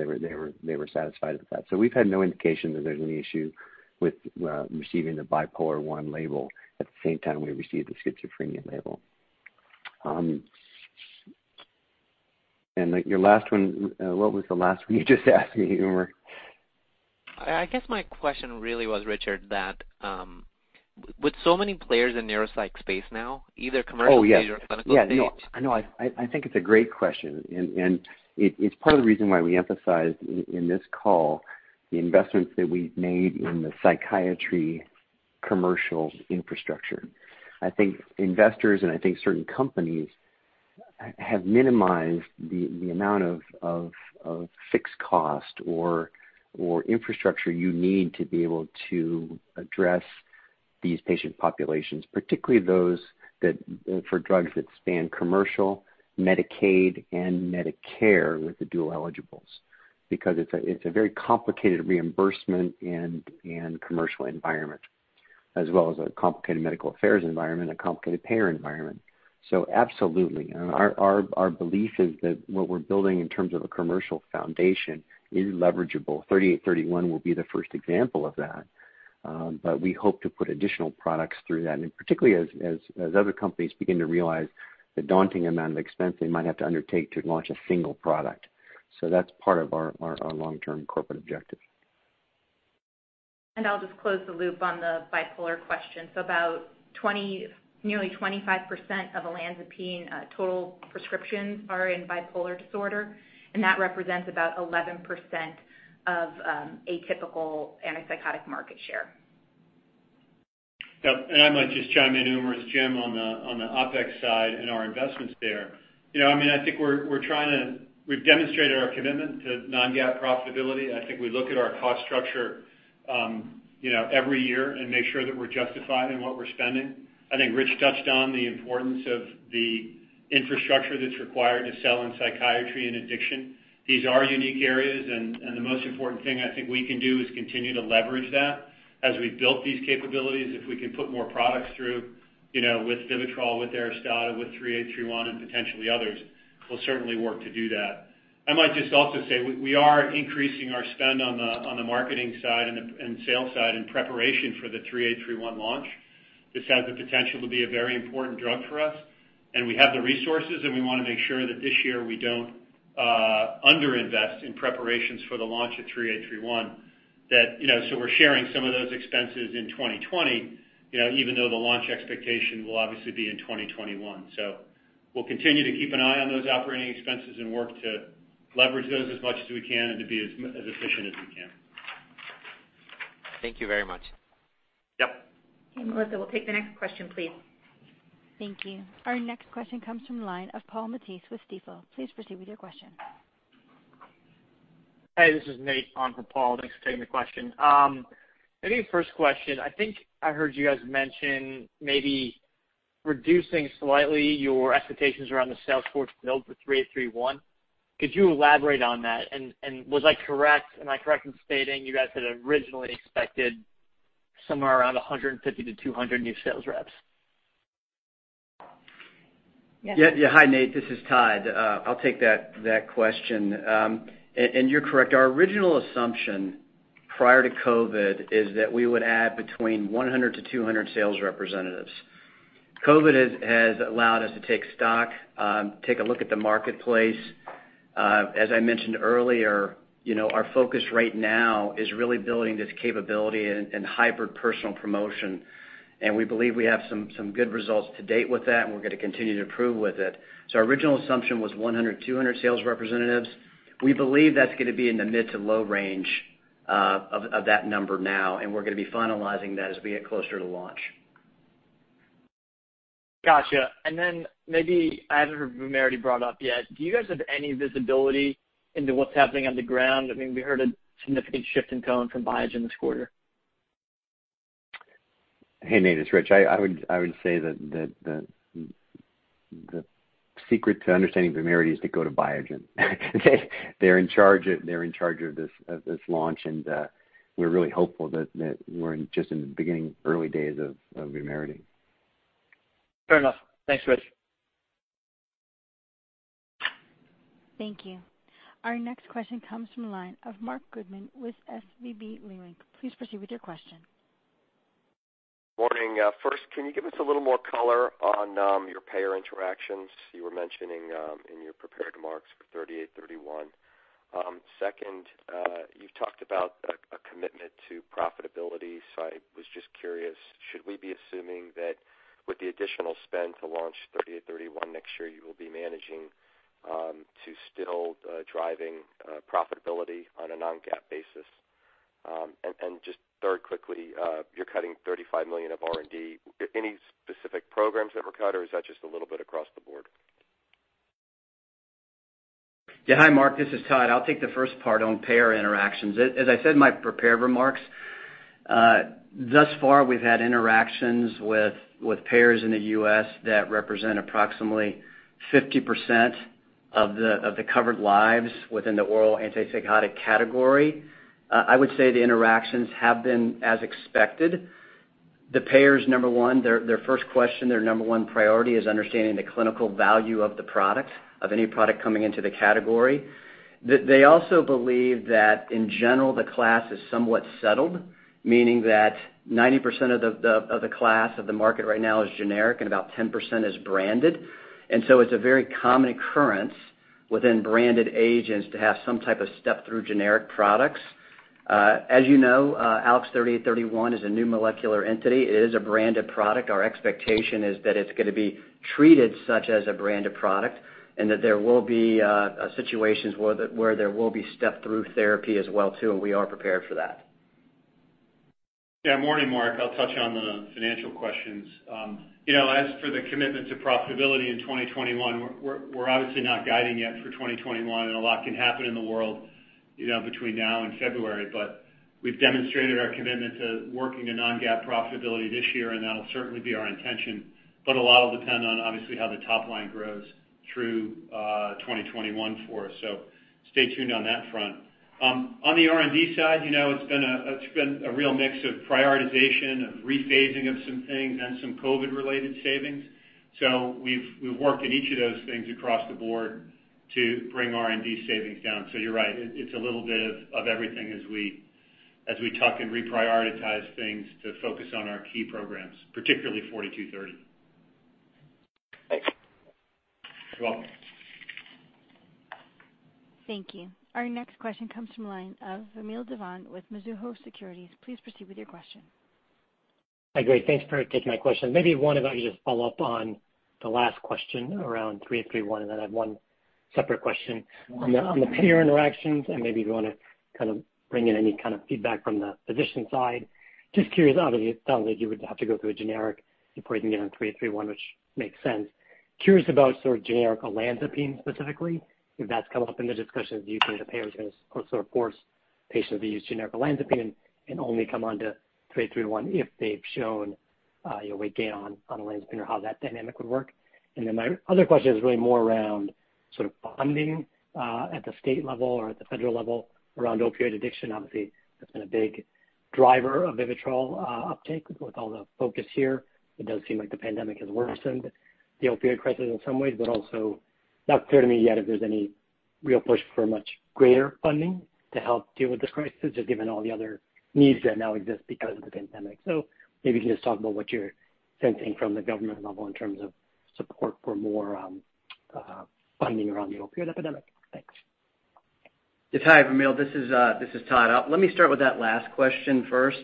they were satisfied with that. We've had no indication that there's any issue with receiving the Bipolar I label at the same time we received the schizophrenia label. Your last one, what was the last one you just asked me, Umer? I guess my question really was, Richard, that with so many players in neuropsych space now, either commercial- Oh, yes. ...phase or clinical phase. No, I think it's a great question, and it's part of the reason why we emphasized in this call the investments that we've made in the psychiatry commercial infrastructure. I think investors, and I think certain companies, have minimized the amount of fixed cost or infrastructure you need to be able to address these patient populations, particularly those for drugs that span commercial, Medicaid, and Medicare with the dual eligibles. It's a very complicated reimbursement and commercial environment, as well as a complicated medical affairs environment, a complicated payer environment. Absolutely. Our belief is that what we're building in terms of a commercial foundation is leverageable. ALKS 3831 will be the first example of that. We hope to put additional products through that, and particularly as other companies begin to realize the daunting amount of expense they might have to undertake to launch a single product. That's part of our long-term corporate objective. I'll just close the loop on the bipolar question. About nearly 25% of olanzapine total prescriptions are in bipolar disorder, and that represents about 11% of atypical antipsychotic market share. Yep, and I might just chime in, Umer, as Jim, on the OpEx side and our investments there. I think we've demonstrated our commitment to non-GAAP profitability. I think we look at our cost structure every year and make sure that we're justified in what we're spending. I think Rich touched on the importance of the infrastructure that's required to sell in psychiatry and addiction. These are unique areas, and the most important thing I think we can do is continue to leverage that. As we've built these capabilities, if we can put more products through with VIVITROL, with ARISTADA, with ALKS 3831, and potentially others, we'll certainly work to do that. I might just also say, we are increasing our spend on the marketing side and sales side in preparation for the ALKS 3831 launch. This has the potential to be a very important drug for us, and we have the resources, and we want to make sure that this year we don't under-invest in preparations for the launch of ALKS 3831. We're sharing some of those expenses in 2020, even though the launch expectation will obviously be in 2021. We'll continue to keep an eye on those operating expenses and work to leverage those as much as we can and to be as efficient as we can. Thank you very much. Yep. Okay, Melissa, we'll take the next question, please. Thank you. Our next question comes from the line of Paul Matteis with Stifel. Please proceed with your question. Hey, this is Nate on for Paul. Thanks for taking the question. Maybe first question. I think I heard you guys mention maybe reducing slightly your expectations around the sales force build for ALKS 3831. Could you elaborate on that? Was I correct? Am I correct in stating you guys had originally expected somewhere around 150-200 new sales reps? Yes. Yeah. Hi, Nate, this is Todd. I'll take that question. You're correct. Our original assumption prior to COVID is that we would add between 100-200 sales representatives. COVID has allowed us to take stock, take a look at the marketplace. As I mentioned earlier, our focus right now is really building this capability and hybrid personal promotion. We believe we have some good results to date with that, and we're going to continue to improve with it. Our original assumption was 100, 200 sales representatives. We believe that's going to be in the mid to low range of that number now, and we're going to be finalizing that as we get closer to launch. Gotcha. Maybe I haven't heard VUMERITY brought up yet. Do you guys have any visibility into what's happening on the ground? I mean, we heard a significant shift in tone from Biogen this quarter. Hey, Nate, it's Rich. I would say that the secret to understanding VUMERITY is to go to Biogen. We're in charge of this launch, and we're really hopeful that we're just in the beginning, early days of VUMERITY. Fair enough. Thanks, Rich. Thank you. Our next question comes from the line of Marc Goodman with SVB Leerink. Please proceed with your question. Morning. First, can you give us a little more color on your payer interactions you were mentioning in your prepared remarks for ALKS 3831? Second, you talked about a commitment to profitability. I was just curious, should we be assuming that with the additional spend to launch ALKS 3831 next year, you will be managing to still driving profitability on a non-GAAP basis? Just third, quickly, you're cutting $35 million of R&D. Any specific programs that were cut, or is that just a little bit across the board? Yeah. Hi, Marc, this is Todd. I'll take the first part on payer interactions. As I said in my prepared remarks, thus far we've had interactions with payers in the U.S. that represent approximately 50%. Of the covered lives within the oral antipsychotic category. I would say the interactions have been as expected. The payers, number one, their first question, their number one priority is understanding the clinical value of the product, of any product coming into the category. They also believe that in general, the class is somewhat settled, meaning that 90% of the class of the market right now is generic and about 10% is branded. So it's a very common occurrence within branded agents to have some type of step through generic products. As you know ALKS 3831 is a new molecular entity. It is a branded product. Our expectation is that it's going to be treated such as a branded product, and that there will be situations where there will be step through therapy as well too, and we are prepared for that. Yeah, Morning Marc. I'll touch on the financial questions. As for the commitment to profitability in 2021, we're obviously not guiding yet for 2021, and a lot can happen in the world between now and February. We've demonstrated our commitment to working to non-GAAP profitability this year, and that'll certainly be our intention. A lot will depend on obviously how the top line grows through 2021 for us. Stay tuned on that front. On the R&D side, it's been a real mix of prioritization, of rephasing of some things and some COVID related savings. We've worked in each of those things across the board to bring R&D savings down. You're right, it's a little bit of everything as we tuck and reprioritize things to focus on our key programs, particularly ALKS 4230. Thanks. You're welcome. Thank you. Our next question comes from the line of Vamil Divan with Mizuho Securities. Please proceed with your question. Hi. Great. Thanks for taking my question. Maybe one if I could just follow up on the last question around ALKS 3831, and then I have one separate question on the payer interactions, and maybe if you want to kind of bring in any kind of feedback from the physician side. Just curious, obviously it sounds like you would have to go through a generic before you can get on ALKS 3831, which makes sense. Curious about sort of generic olanzapine specifically, if that's come up in the discussions with you paying the payers because of course, patients that use generic olanzapine can only come onto ALKS 3831 if they've shown weight gain on olanzapine or how that dynamic would work. My other question is really more around sort of funding at the state level or at the federal level around opioid addiction. Obviously, that's been a big driver of VIVITROL uptake with all the focus here. It does seem like the pandemic has worsened the opioid crisis in some ways, but also not clear to me yet if there's any real push for much greater funding to help deal with this crisis, just given all the other needs that now exist because of the pandemic. Maybe you can just talk about what you're sensing from the government level in terms of support for more funding around the opioid epidemic. Thanks. Yes. Hi, Vamil. This is Todd. Let me start with that last question first,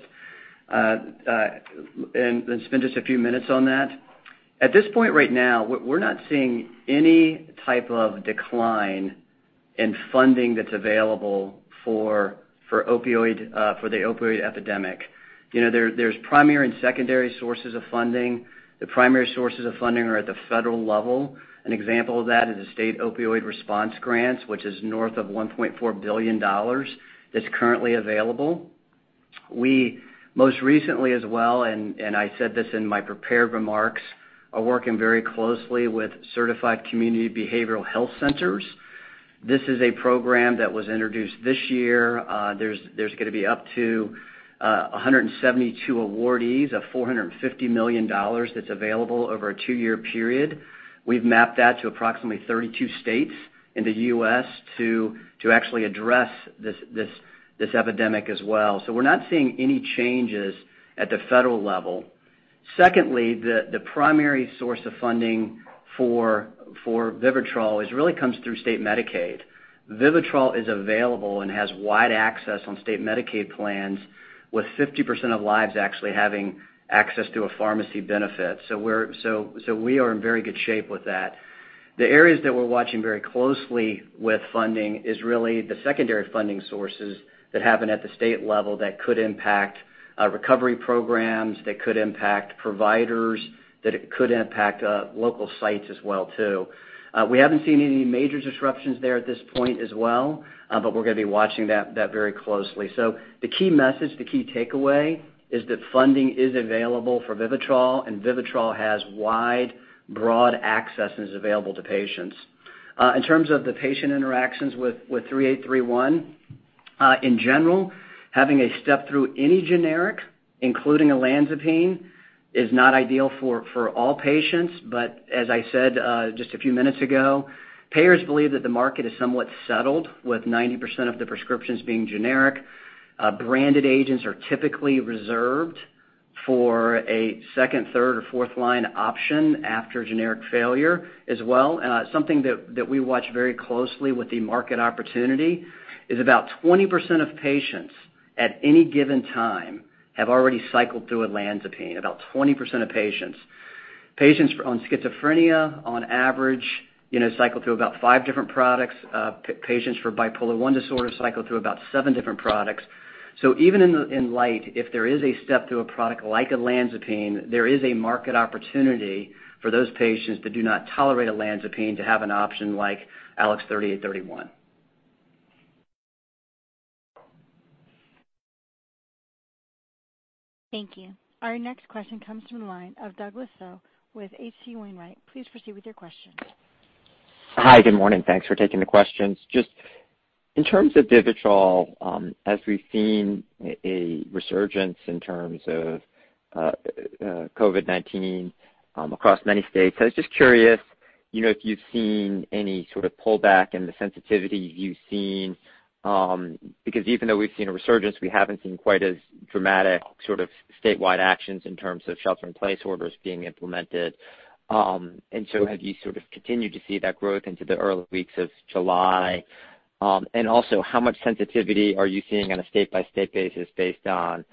and spend just a few minutes on that. At this point right now, we're not seeing any type of decline in funding that's available for the opioid epidemic. There's primary and secondary sources of funding. The primary sources of funding are at the federal level. An example of that is the State Opioid Response grants, which is north of $1.4 billion that's currently available. We most recently as well, and I said this in my prepared remarks, are working very closely with certified community behavioral health centers. This is a program that was introduced this year. There's going to be up to 172 awardees of $450 million that's available over a two-year period. We've mapped that to approximately 32 states in the U.S. to actually address this epidemic as well. We are not seeing any changes at the federal level. Secondly, the primary source of funding for VIVITROL really comes through state Medicaid. VIVITROL is available and has wide access on state Medicaid plans with 50% of lives actually having access to a pharmacy benefit. We are in very good shape with that. The areas that we are watching very closely with funding is really the secondary funding sources that happen at the state level that could impact recovery programs, that could impact providers, that could impact local sites as well too. We have not seen any major disruptions there at this point as well, but we are going to be watching that very closely. The key message, the key takeaway is that funding is available for VIVITROL, and VIVITROL has wide, broad access and is available to patients. In terms of the patient interactions with ALKS 3831, in general, having a step through any generic, including olanzapine, is not ideal for all patients. As I said just a few minutes ago, payers believe that the market is somewhat settled with 90% of the prescriptions being generic. Branded agents are typically reserved for a second, third, or fourth line option after generic failure as well. Something that we watch very closely with the market opportunity is about 20% of patients at any given time have already cycled through olanzapine. About 20% of patients. Patients on schizophrenia, on average cycle through about five different products. Patients for bipolar I disorder cycle through about seven different products. Even in light, if there is a step through a product like olanzapine, there is a market opportunity for those patients that do not tolerate olanzapine to have an option like ALKS 3831. Thank you. Our next question comes from the line of Douglas Tsao with H.C. Wainwright. Please proceed with your question. Hi. Good morning. Thanks for taking the questions. Just in terms of VIVITROL, as we've seen a resurgence in terms of COVID-19 across many states, I was just curious if you've seen any sort of pullback in the sensitivity you've seen, because even though we've seen a resurgence, we haven't seen quite as dramatic sort of statewide actions in terms of shelter-in-place orders being implemented. Have you sort of continued to see that growth into the early weeks of July? How much sensitivity are you seeing on a state-by-state basis based on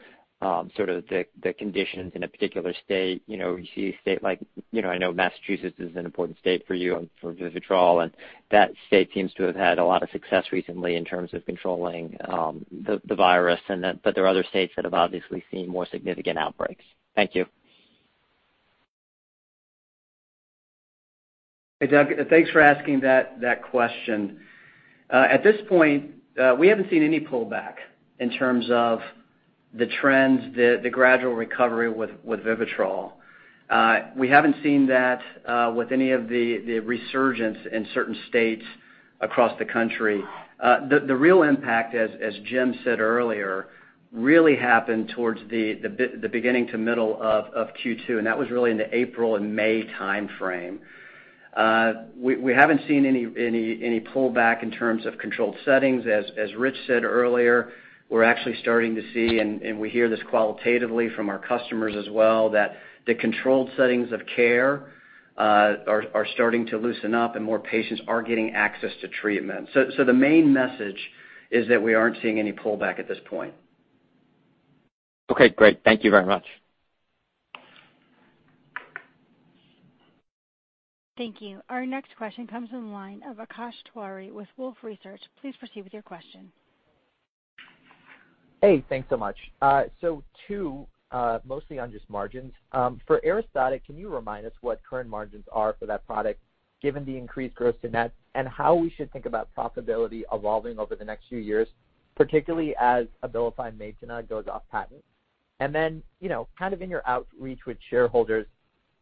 sort of the conditions in a particular state? I know Massachusetts is an important state for you and for VIVITROL, that state seems to have had a lot of success recently in terms of controlling the virus, there are other states that have obviously seen more significant outbreaks. Thank you. Hey, Doug. Thanks for asking that question. At this point, we haven't seen any pullback in terms of the trends, the gradual recovery with VIVITROL. We haven't seen that with any of the resurgence in certain states across the country. The real impact, as Jim said earlier, really happened towards the beginning to middle of Q2, and that was really in the April and May timeframe. We haven't seen any pullback in terms of controlled settings. As Rich said earlier, we're actually starting to see, and we hear this qualitatively from our customers as well, that the controlled settings of care are starting to loosen up and more patients are getting access to treatment. The main message is that we aren't seeing any pullback at this point. Okay, great. Thank you very much. Thank you. Our next question comes from the line of Akash Tewari with Wolfe Research. Please proceed with your question. Hey, thanks so much. Two, mostly on just margins. For ARISTADA, can you remind us what current margins are for that product, given the increased gross to net, and how we should think about profitability evolving over the next few years, particularly as Abilify Maintena goes off patent? Kind of in your outreach with shareholders,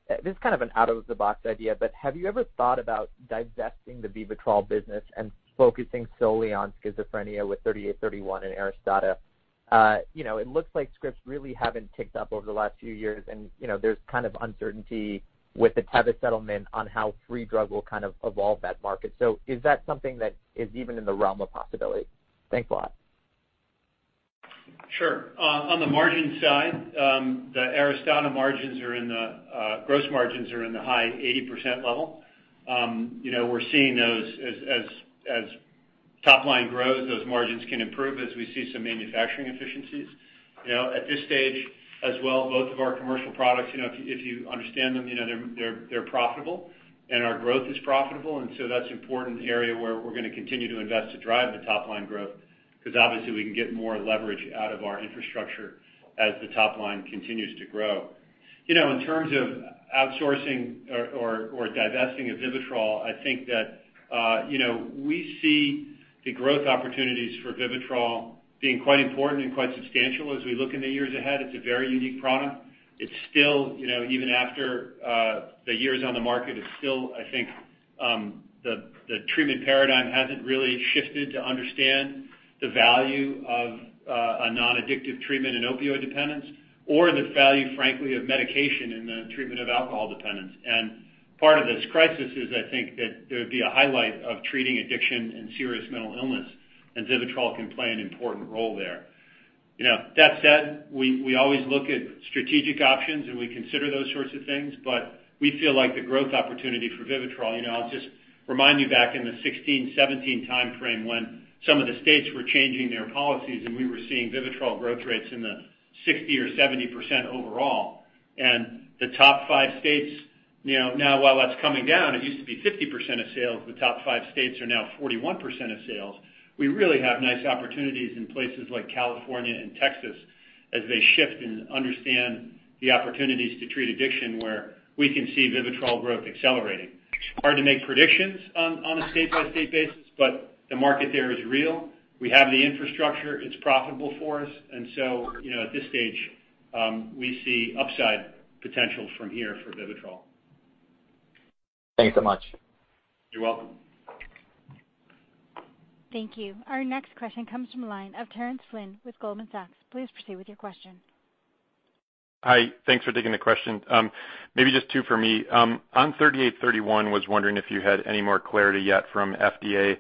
this is kind of an out-of-the-box idea, but have you ever thought about divesting the VIVITROL business and focusing solely on schizophrenia with ALKS 3831 and ARISTADA? It looks like scripts really haven't ticked up over the last few years, and there's kind of uncertainty with the Teva settlement on how free drug will kind of evolve that market. Is that something that is even in the realm of possibility? Thanks a lot. Sure. On the margin side, the ARISTADA gross margins are in the high 80% level. We're seeing those as top line grows, those margins can improve as we see some manufacturing efficiencies. At this stage as well, both of our commercial products, if you understand them, they're profitable, and our growth is profitable, and so that's an important area where we're going to continue to invest to drive the top-line growth because obviously, we can get more leverage out of our infrastructure as the top line continues to grow. In terms of outsourcing or divesting of VIVITROL, I think that we see the growth opportunities for VIVITROL being quite important and quite substantial as we look in the years ahead. It's a very unique product. Even after the years on the market, it's still, I think, the treatment paradigm hasn't really shifted to understand the value of a non-addictive treatment in opioid dependence or the value, frankly, of medication in the treatment of alcohol dependence. Part of this crisis is, I think, that there would be a highlight of treating addiction and serious mental illness, and VIVITROL can play an important role there. That said, we always look at strategic options, and we consider those sorts of things, but we feel like the growth opportunity for VIVITROL. I'll just remind you back in the 2016, 2017 timeframe when some of the states were changing their policies and we were seeing VIVITROL growth rates in the 60% or 70% overall, and the top five states, now while that's coming down, it used to be 50% of sales. The top five states are now 41% of sales. We really have nice opportunities in places like California and Texas as they shift and understand the opportunities to treat addiction where we can see VIVITROL growth accelerating. It's hard to make predictions on a state-by-state basis, but the market there is real. We have the infrastructure. It's profitable for us. At this stage, we see upside potential from here for VIVITROL. Thanks so much. You're welcome. Thank you. Our next question comes from the line of Terence Flynn with Goldman Sachs. Please proceed with your question. Hi. Thanks for taking the question. Maybe just two for me. On ALKS 3831, was wondering if you had any more clarity yet from FDA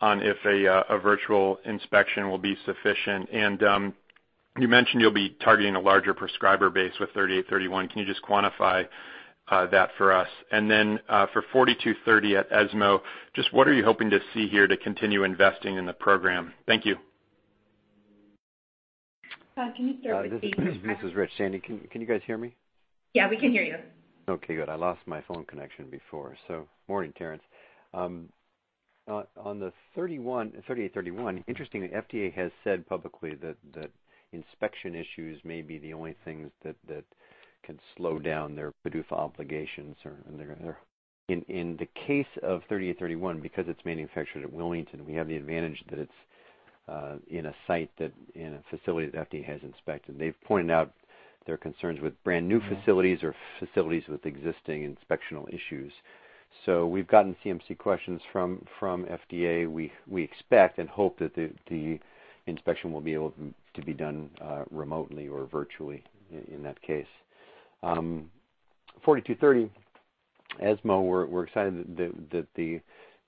on if a virtual inspection will be sufficient. You mentioned you'll be targeting a larger prescriber base with ALKS 3831. Can you just quantify that for us? For ALKS 4230 at ESMO, just what are you hoping to see here to continue investing in the program? Thank you. Can you start with. This is Rich Sandy. Can you guys hear me? Yeah, we can hear you. Okay, good. I lost my phone connection before. Morning, Terence. On the ALKS 3831, interestingly, FDA has said publicly that inspection issues may be the only things that can slow down their PDUFA obligations. In the case of ALKS 3831, because it's manufactured at Wilmington, we have the advantage that it's in a site, in a facility that FDA has inspected. They've pointed out their concerns with brand-new facilities or facilities with existing inspectional issues. We've gotten CMC questions from FDA. We expect and hope that the inspection will be able to be done remotely or virtually in that case. ALKS 4230, ESMO, we're excited that the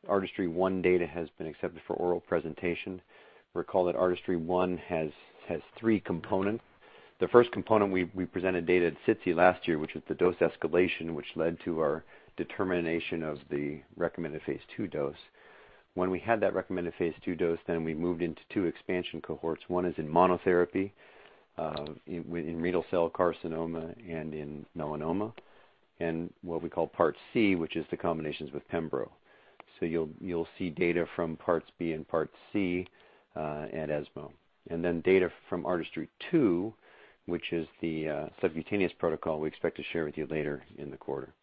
ARTISTRY-1 data has been accepted for oral presentation. Recall that ARTISTRY-1 has three components. The first component, we presented data at SITC last year, which was the dose escalation, which led to our determination of the recommended phase II dose. When we had that recommended phase II dose, then we moved into two expansion cohorts. One is in monotherapy, in renal cell carcinoma and in melanoma, and what we call Part C, which is the combinations with pembrolizumab. You'll see data from Parts B and Part C at ESMO. Data from ARTISTRY-2, which is the subcutaneous protocol we expect to share with you later in the quarter.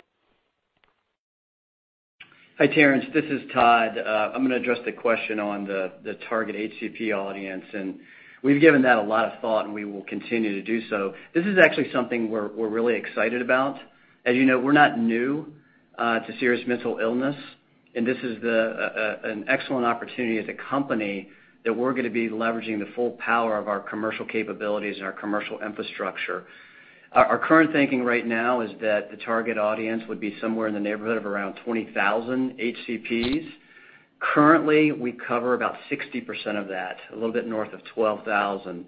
Hi, Terence. This is Todd. I'm going to address the question on the target HCP audience. We've given that a lot of thought. We will continue to do so. This is actually something we're really excited about. As you know, we're not new to serious mental illness. This is an excellent opportunity as a company that we're going to be leveraging the full power of our commercial capabilities and our commercial infrastructure. Our current thinking right now is that the target audience would be somewhere in the neighborhood of around 20,000 HCPs. Currently, we cover about 60% of that, a little bit north of 12,000.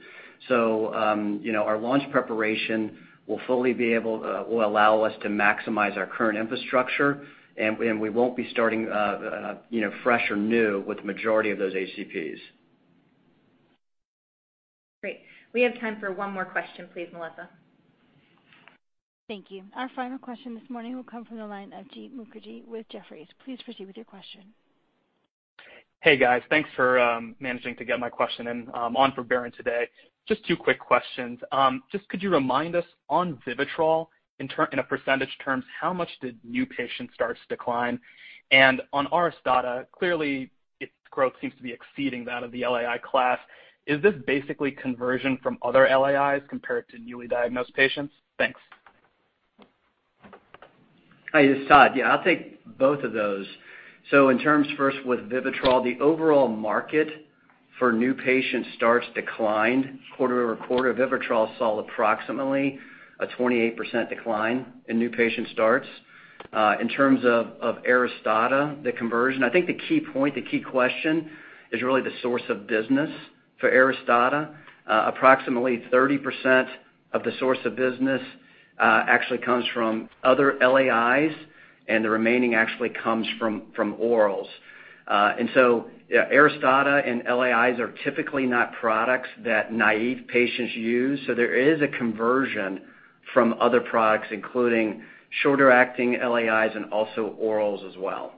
Our launch preparation will allow us to maximize our current infrastructure. We won't be starting fresh or new with the majority of those HCPs. Great. We have time for one more question. Please, Melissa. Thank you. Our final question this morning will come from the line of Jeet Mukherjee with Jefferies. Please proceed with your question. Hey, guys. Thanks for managing to get my question in on for Biren today. Just two quick questions. Just could you remind us on VIVITROL, in percentage terms, how much did new patient starts decline? On ARISTADA, clearly its growth seems to be exceeding that of the LAI class. Is this basically conversion from other LAIs compared to newly diagnosed patients? Thanks. Hi, it's Todd. Yeah, I'll take both of those. In terms first with VIVITROL, the overall market for new patient starts declined quarter-over-quarter. VIVITROL saw approximately a 28% decline in new patient starts. In terms of ARISTADA, the conversion, I think the key point, the key question, is really the source of business for ARISTADA. Approximately 30% of the source of business actually comes from other LAIs, and the remaining actually comes from orals. ARISTADA and LAIs are typically not products that naive patients use, so there is a conversion from other products, including shorter-acting LAIs and also orals as well.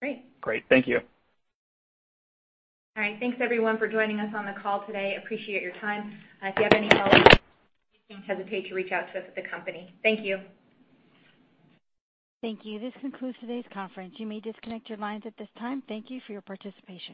Great. Great. Thank you. All right. Thanks everyone for joining us on the call today. Appreciate your time. If you have any follow-up, please don't hesitate to reach out to us at the company. Thank you. Thank you. This concludes today's conference. You may disconnect your lines at this time. Thank you for your participation.